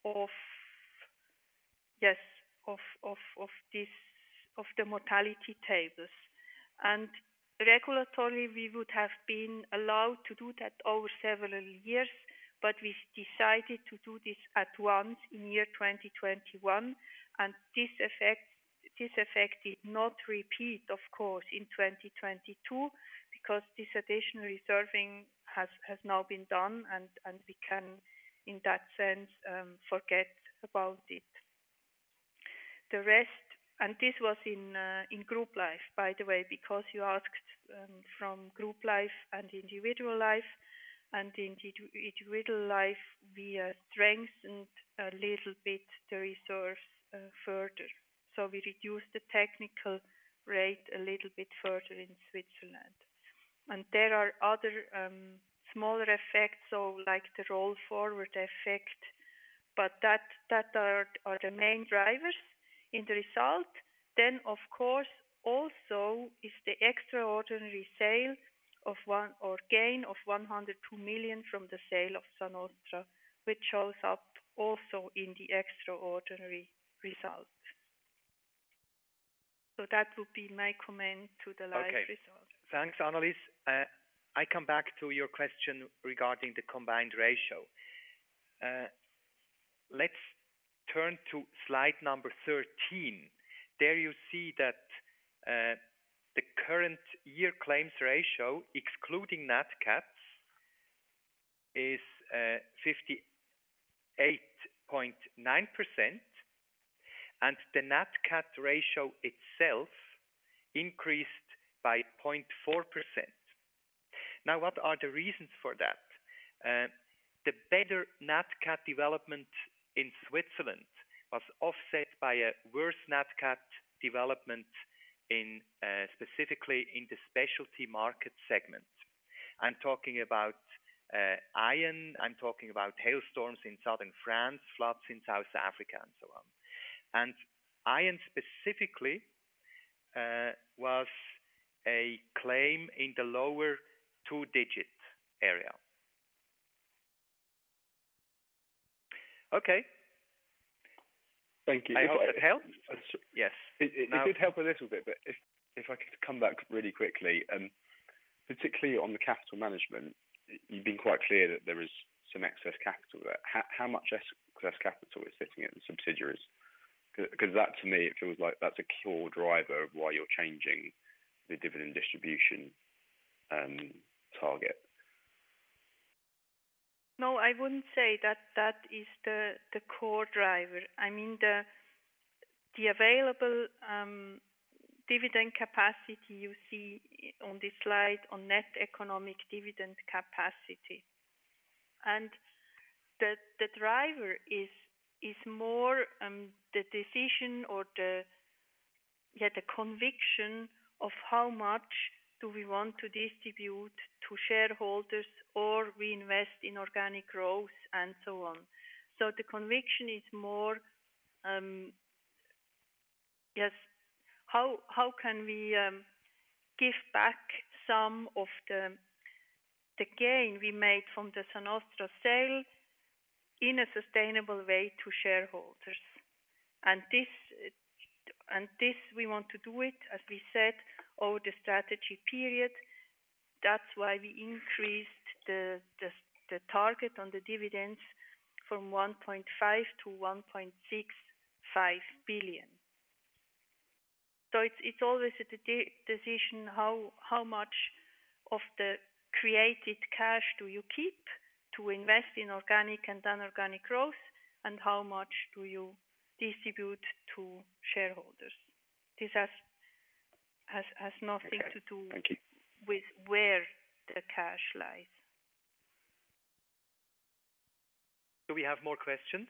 Speaker 3: the mortality tables. Regulatory, we would have been allowed to do that over several years, but we decided to do this at once in year 2021. This effect did not repeat, of course, in 2022 because this additional reserving has now been done and we can in that sense forget about it. This was in group life, by the way, because you asked from group life and individual life. In individual life, we strengthened a little bit the resource further. We reduced the technical rate a little bit further in Switzerland. There are other, smaller effects, so like the roll-forward effect, but that are the main drivers in the result. Of course, also is the extraordinary sale or gain of 102 million from the sale of Sa Nostra, which shows up also in the extraordinary results. That would be my comment to the live results.
Speaker 2: Okay. Thanks, Annelis. I come back to your question regarding the combined ratio. Let's turn to slide number 13. There you see that the current year claims ratio, excluding nat cats, is 58.9%. The nat cat ratio itself increased by 0.4%. Now, what are the reasons for that? The better nat cat development in Switzerland was offset by a worse nat cat development in specifically in the specialty market segment. I'm talking about Ian, I'm talking about hailstorms in Southern France, floods in South Africa, and so on. Iron specifically was a claim in the lower two-digit area. Okay.
Speaker 4: Thank you.
Speaker 2: I hope that helped. Yes.
Speaker 4: It did help a little bit. If I could come back really quickly, particularly on the capital management, you've been quite clear that there is some excess capital there. How much excess capital is sitting in subsidiaries? That to me, it feels like that's a core driver of why you're changing the dividend distribution target.
Speaker 3: No, I wouldn't say that that is the core driver. I mean, the available dividend capacity you see on this slide on net economic dividend capacity. The, the driver is more the decision or the conviction of how much do we want to distribute to shareholders or we invest in organic growth and so on. The conviction is more how can we give back some of the gain we made from the Sa Nostra sale in a sustainable way to shareholders. This, we want to do it, as we said, over the strategy period. That's why we increased the, the target on the dividends from 1.5 billion to 1.65 billion. It's always a decision, how much of the created cash do you keep to invest in organic and inorganic growth, and how much do you distribute to shareholders? This has nothing to do with where the cash lies.
Speaker 4: Okay. Thank you.
Speaker 2: Do we have more questions?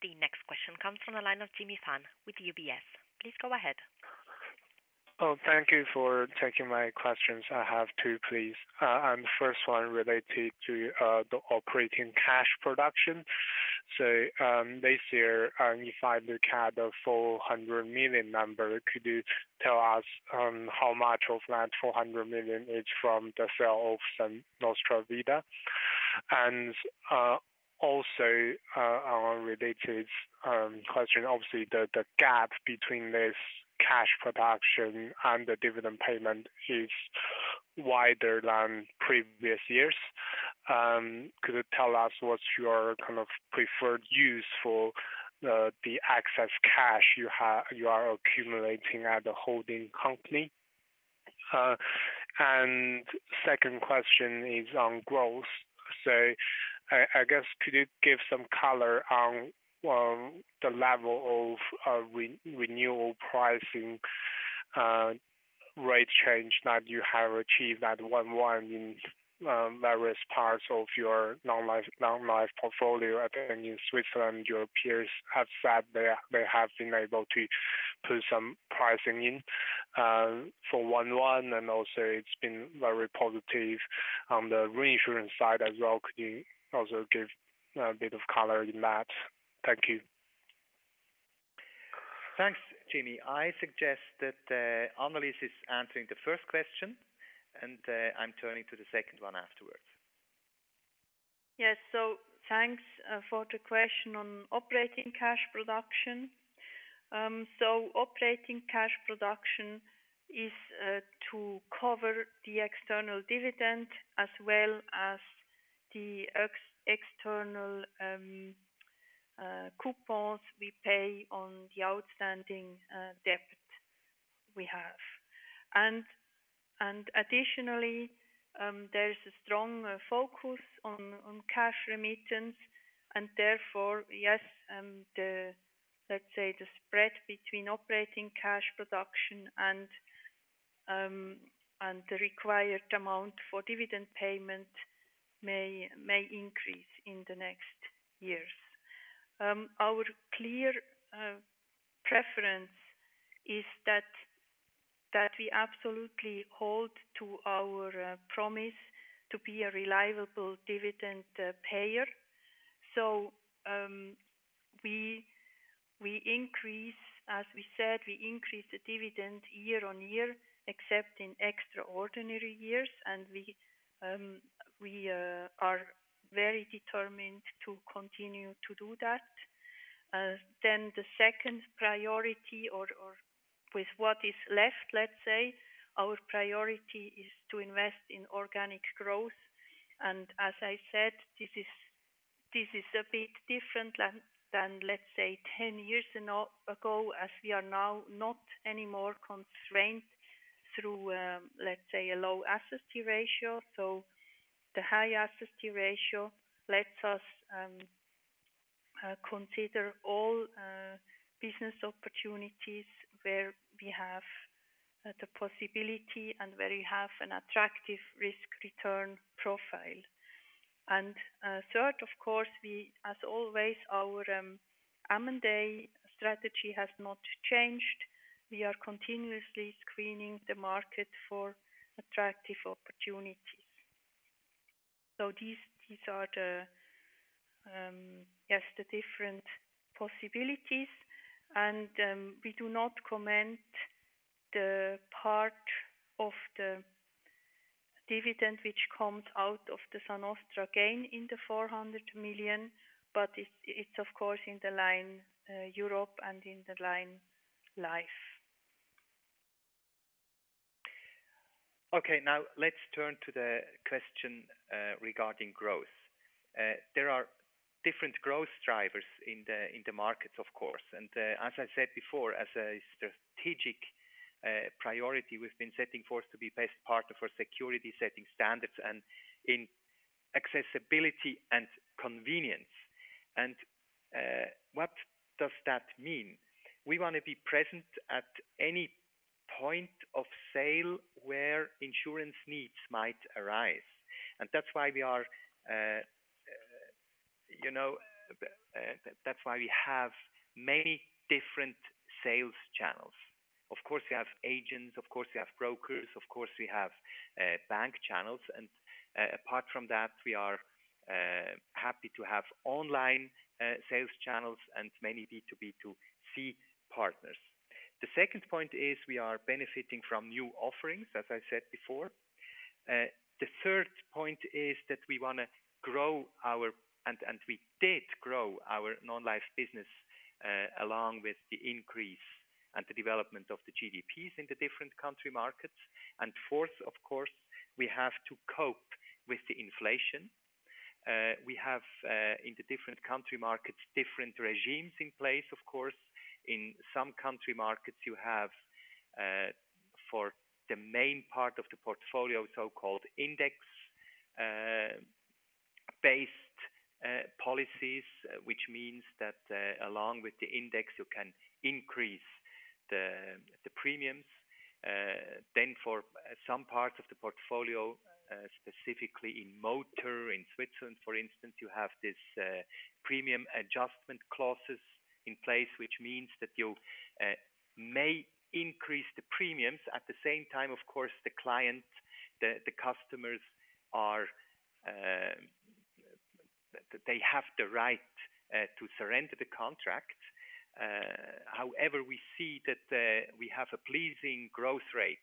Speaker 1: The next question comes from the line of Jimmy Fan with UBS. Please go ahead.
Speaker 5: Thank you for taking my questions. I have two, please. The first one related to the operating cash production. This year, you find you had a 400 million number. Could you tell us how much of that 400 million is from the sale of Sa Nostra Vida? Also, a related question, obviously the gap between this cash production and the dividend payment is wider than previous years. Could you tell us what's your kind of preferred use for the excess cash you are accumulating at the holding company? Second question is on growth. I guess, could you give some color on the level of re-renewal pricing, rate change that you have achieved at one in various parts of your non-life, non-life portfolio? I think in Switzerland, your peers have said they have been able to put some pricing in for one, and also it's been very positive on the reinsurance side as well. Could you also give a bit of color in that? Thank you.
Speaker 2: Thanks, Jimmy. I suggest that, Annelis is answering the first question, and, I'm turning to the second one afterwards.
Speaker 3: Yes. Thanks for the question on operating cash production. Operating cash production is to cover the external dividend as well as the external coupons we pay on the outstanding debt we have. Additionally, there is a strong focus on cash remittance and therefore, yes, the, let's say, the spread between operating cash production and the required amount for dividend payment may increase in the next years. Our clear preference is that we absolutely hold to our promise to be a reliable dividend payer. As we said, we increase the dividend year-on-year except in extraordinary years. We are very determined to continue to do that. The second priority or with what is left, let's say, our priority is to invest in organic growth. As I said, this is a bit different than, let's say, 10 years ago, as we are now not anymore constrained through, let's say, a low asset ratio. The high asset ratio lets us consider all business opportunities where we have the possibility and where we have an attractive risk-return profile. Third, of course, we as always our M&A strategy has not changed. We are continuously screening the market for attractive opportunities. These are the, yes, the different possibilities. We do not comment the part of the dividend which comes out of the Sa Nostra gain in the 400 million, but it's of course in the line Europe and in the line Life.
Speaker 2: Okay. Now let's turn to the question regarding growth. There are different growth drivers in the, in the markets of course. As I said before, as a strategic priority, we've been setting forth to be best partner for security, setting standards, and in accessibility and convenience. What does that mean? We want to be present at any point of sale where insurance needs might arise. That's why we are, you know, that's why we have many different sales channels. Of course, we have agents, of course, we have brokers, of course, we have bank channels. Apart from that, we are happy to have online sales channels and many B2B2C partners. The second point is we are benefiting from new offerings, as I said before. The third point is that we want to grow our and we did grow our non-life business along with the increase and the development of the GDPs in the different country markets. Fourth, of course, we have to cope with the inflation. We have in the different country markets, different regimes in place of course. In some country markets, you have for the main part of the portfolio, so-called index based policies. Which means that along with the index, you can increase the premiums. Then for some parts of the portfolio, specifically in motor in Switzerland, for instance, you have this premium adjustment clauses in place, which means that you may increase the premiums. At the same time, of course, the client, the customers are, they have the right to surrender the contract. However, we see that we have a pleasing growth rate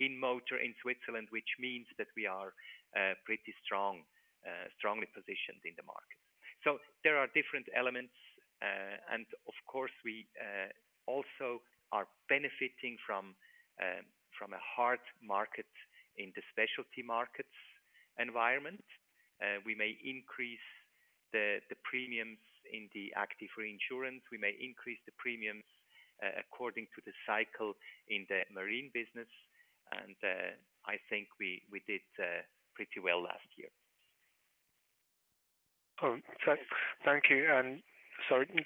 Speaker 2: in motor in Switzerland, which means that we are pretty strong, strongly positioned in the market. There are different elements. Of course we also are benefiting from a hard market in the specialty markets environment. We may increase the premiums in the active reinsurance. We may increase the premiums according to the cycle in the marine business. I think we did pretty well last year.
Speaker 5: Thank you.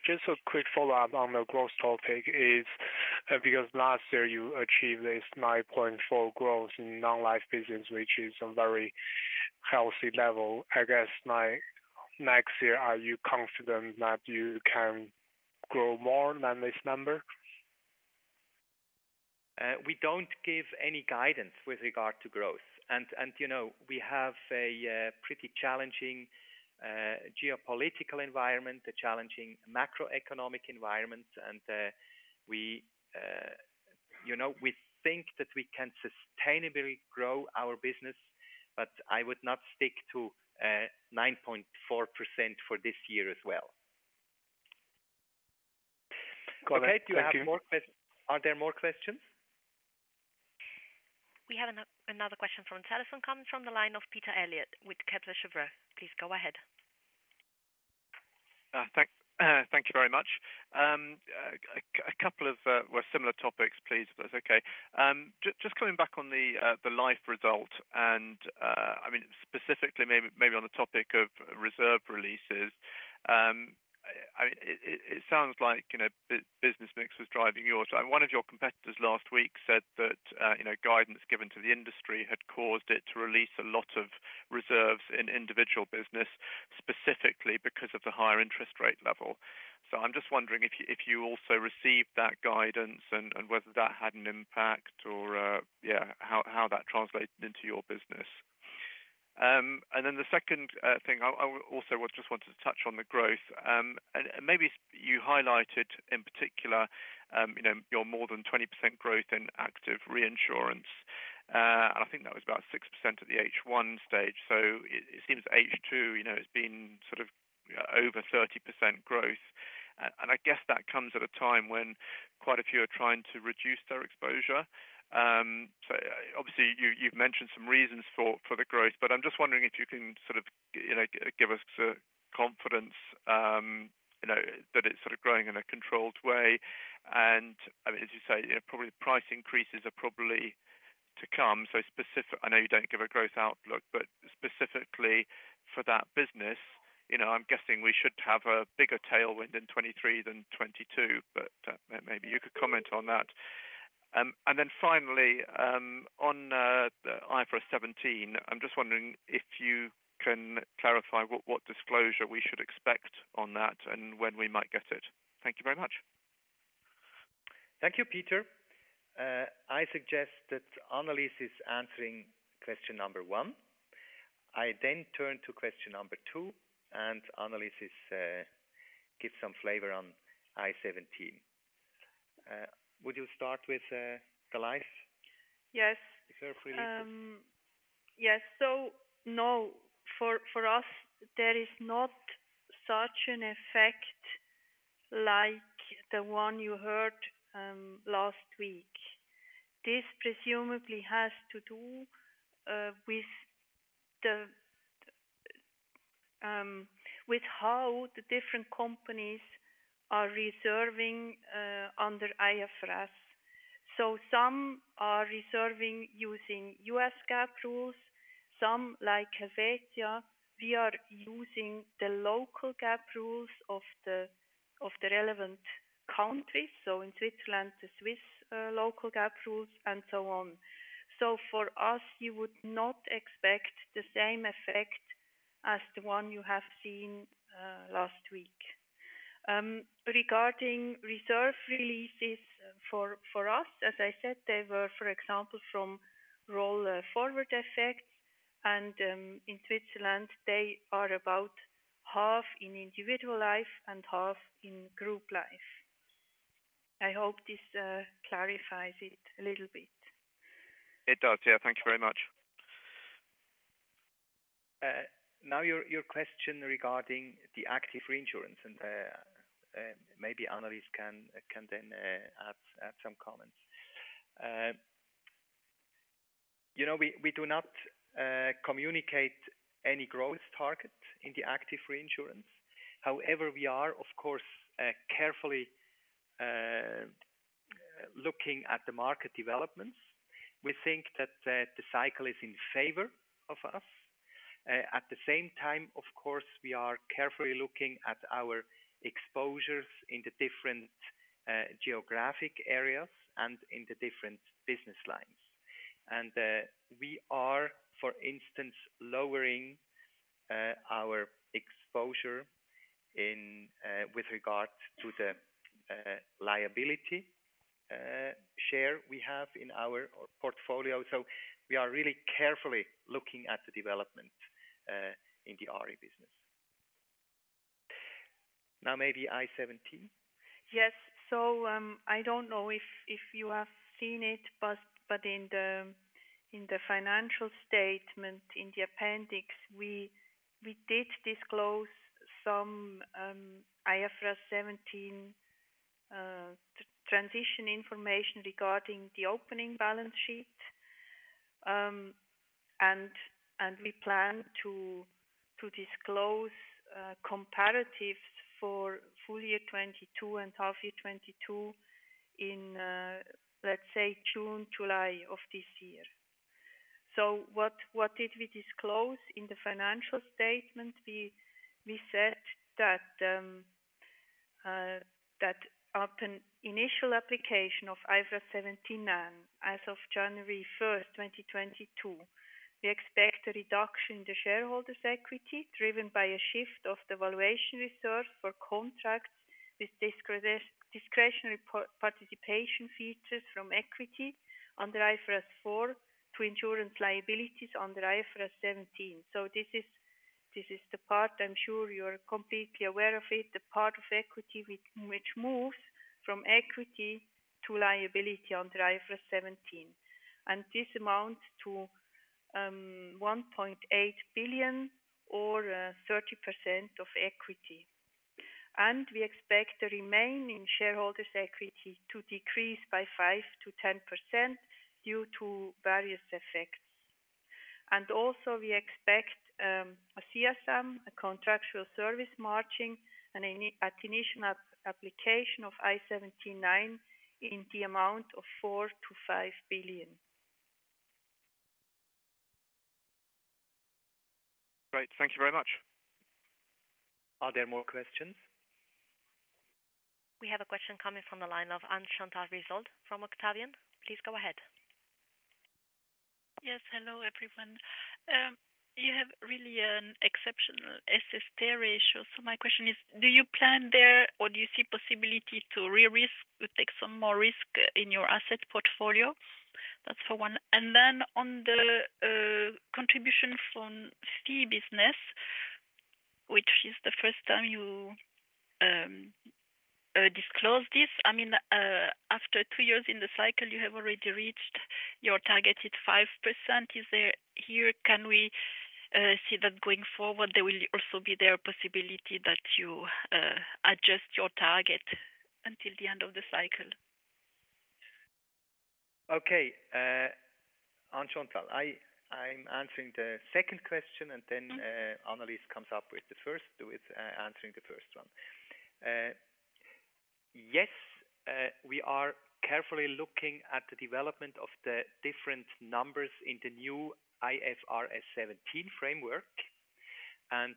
Speaker 5: Just a quick follow-up on the growth topic is, because last year you achieved this 9.4% growth in non-life business, which is a very healthy level, I guess, like next year, are you confident that you can grow more than this number?
Speaker 2: We don't give any guidance with regard to growth. You know, we have a pretty challenging geopolitical environment, a challenging macroeconomic environment. We, you know, we think that we can sustainably grow our business, but I would not stick to 9.4% for this year as well.
Speaker 5: Okay. Thank you.
Speaker 2: Are there more questions?
Speaker 1: We have another question from the telephone coming from the line of Peter Elliott with Kepler Cheuvreux. Please go ahead.
Speaker 6: Thank you very much. A couple of well similar topics, please, if that's okay. Just coming back on the life result and, I mean, specifically maybe on the topic of reserve releases. I mean, it sounds like, you know, business mix was driving yours. One of your competitors last week said that, you know, guidance given to the industry had caused it to release a lot of reserves in individual business, specifically because of the higher interest rate level. I'm just wondering if you also received that guidance and whether that had an impact or, yeah, how that translated into your business. The second thing, I also just wanted to touch on the growth. Maybe you highlighted in particular, you know, your more than 20% growth in active reinsurance. I think that was about 6% at the H1 stage. It seems H2, you know, it's been sort of over 30% growth. I guess that comes at a time when quite a few are trying to reduce their exposure. Obviously, you've mentioned some reasons for the growth, but I'm just wondering if you can sort of, you know, give us confidence, you know, that it's sort of growing in a controlled way. I mean, as you say, you know, probably price increases are probably to come. Specific, I know you don't give a growth outlook, specifically for that business, you know, I'm guessing we should have a bigger tailwind in 23 than 22, maybe you could comment on that. Finally, on the IFRS 17, I'm just wondering if you can clarify what disclosure we should expect on that and when we might get it. Thank you very much.
Speaker 2: Thank you, Peter. I suggest that Annelis is answering question number one. I then turn to question number two. Annelis gives some flavor on IFRS 17. Would you start with the life?
Speaker 3: Yes
Speaker 2: The first releases.
Speaker 3: Yes. For us, there is not such an effect like the one you heard last week. This presumably has to do with how the different companies are reserving under IFRS. Some are reserving using U.S. GAAP rules. Some like Helvetia, we are using the local GAAP rules of the relevant countries. In Switzerland, the Swiss local GAAP rules and so on. For us, you would not expect the same effect as the one you have seen last week. Regarding reserve releases for us, as I said, they were, for example, from roll forward effects. In Switzerland, they are about half in individual life and half in group life. I hope this clarifies it a little bit.
Speaker 6: It does. Yeah. Thank you very much.
Speaker 2: Now your question regarding the active reinsurance and maybe Annelis can then add some comments. You know, we do not communicate any growth target in the active reinsurance. However, we are, of course, carefully looking at the market developments. We think that the cycle is in favor of us. At the same time, of course, we are carefully looking at our exposures in the different geographic areas and in the different business lines. We are, for instance, lowering our exposure with regard to the liability share we have in our portfolio. We are really carefully looking at the development in the RE business. Now, maybe IFRS 17.
Speaker 3: Yes. I don't know if you have seen it, but in the financial statement, in the appendix, we did disclose some IFRS 17 transition information regarding the opening balance sheet. We plan to disclose comparatives for full year 2022 and half year 2022 in, let's say June, July of this year. What did we disclose in the financial statement? We said that upon initial application of IFRS 17 as of 1 January 2022, we expect a reduction in the shareholders' equity driven by a shift of the valuation reserve for contracts with discretionary participation features from equity under IFRS 4 to insurance liabilities under IFRS 17. This is the part I'm sure you're completely aware of it, the part of equity which moves from equity to liability under IFRS 17. This amounts to 1.8 billion or 30% of equity. We expect the remaining shareholders' equity to decrease by 5%-10% due to various effects. Also we expect a CSM, a Contractual Service Margin, an initial application of IFRS 17 in the amount of 4 billion-5 billion.
Speaker 2: Great. Thank you very much. Are there more questions?
Speaker 1: We have a question coming from the line of Anne-Chantal Risold from Octavian. Please go ahead.
Speaker 7: Hello, everyone. You have really an exceptional SST ratio. My question is, do you plan there or do you see possibility to re-risk or take some more risk in your asset portfolio? That's for one. On the contribution from fee business, which is the first time you disclosed this. After two years in the cycle, you have already reached your targeted 5%. Here can we see that going forward, there will also be there a possibility that you adjust your target until the end of the cycle?
Speaker 2: Okay. Anne-Chantal, I'm answering the second question, and then Annelis comes up with answering the first one. Yes, we are carefully looking at the development of the different numbers in the new IFRS 17 framework.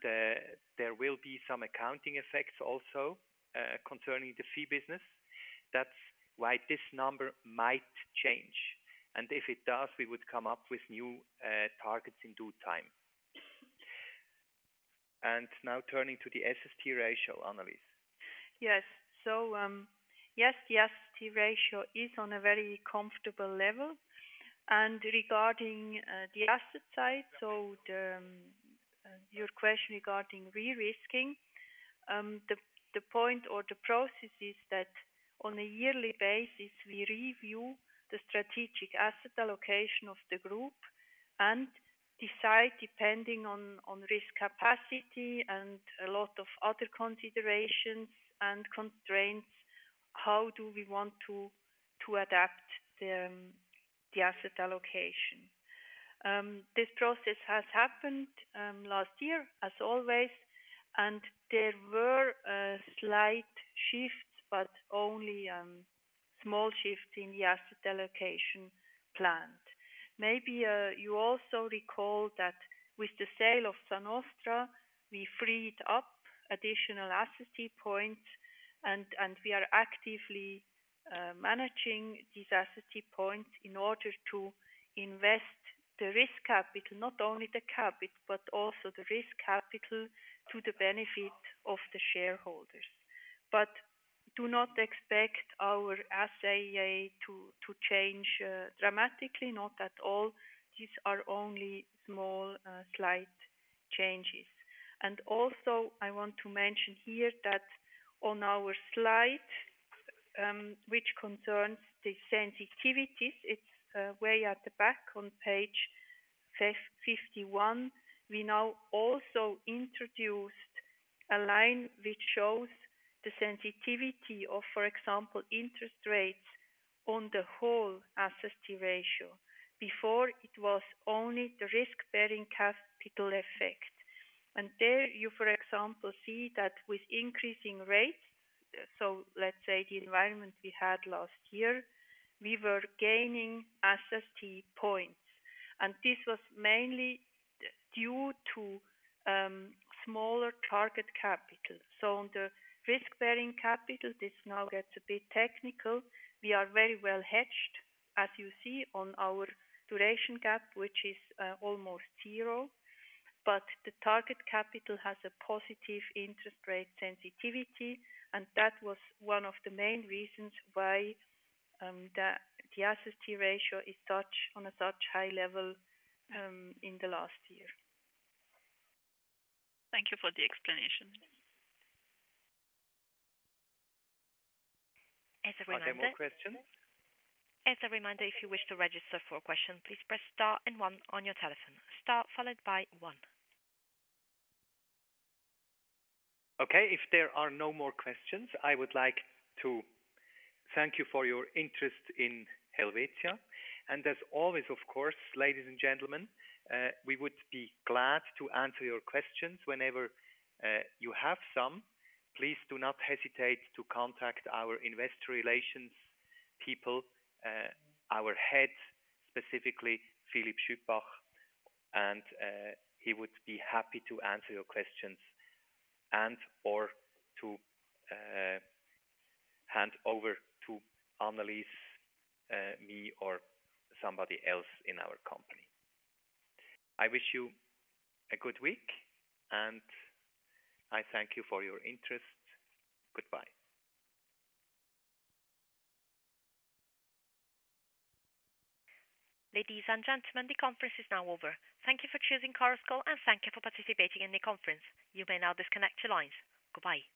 Speaker 2: There will be some accounting effects also concerning the fee business. That's why this number might change. If it does, we would come up with new targets in due time. Now turning to the SST ratio, Annelis.
Speaker 3: Yes. Yes, the SST ratio is on a very comfortable level. Regarding the asset side, your question regarding de-risking, the point or the process is that on a yearly basis, we review the strategic asset allocation of the group and decide depending on risk capacity and a lot of other considerations and constraints, how do we want to adapt the asset allocation. This process has happened last year as always, and there were slight shifts, but only small shifts in the asset allocation plan. Maybe, you also recall that with the sale of Sa Nostra, we freed up additional asset points and we are actively managing these asset points in order to invest the risk capital, not only the capital, but also the risk capital to the benefit of the shareholders. Do not expect our SAA to change dramatically. Not at all. These are only small, slight changes. Also I want to mention here that on our slide, which concerns the sensitivities, it's way at the back on page 51, we now also introduced a line which shows the sensitivity of, for example, interest rates on the whole SST ratio. Before it was only the risk-bearing capital effect. There you, for example, see that with increasing rates, so let's say the environment we had last year, we were gaining SST points, and this was mainly due to smaller target capital. On the risk-bearing capital, this now gets a bit technical. We are very well hedged, as you see on our duration gap, which is almost zero. The target capital has a positive interest rate sensitivity, and that was one of the main reasons why, the SST ratio is on a such high level, in the last year.
Speaker 7: Thank you for the explanation.
Speaker 2: Are there more questions?
Speaker 1: As a reminder, if you wish to register for a question, please press star and one on your telephone, star followed by one.
Speaker 2: Okay. If there are no more questions, I would like to thank you for your interest in Helvetia. As always, of course, ladies and gentlemen, we would be glad to answer your questions. Whenever you have some, please do not hesitate to contact our investor relations people, our head, specifically Philipp Schüpbach, and he would be happy to answer your questions and/or to hand over to Annelis, me or somebody else in our company. I wish you a good week, and I thank you for your interest. Goodbye.
Speaker 1: Ladies and gentlemen, the conference is now over. Thank you for choosing Chorus Call, and thank you for participating in the conference. You may now disconnect your lines. Goodbye.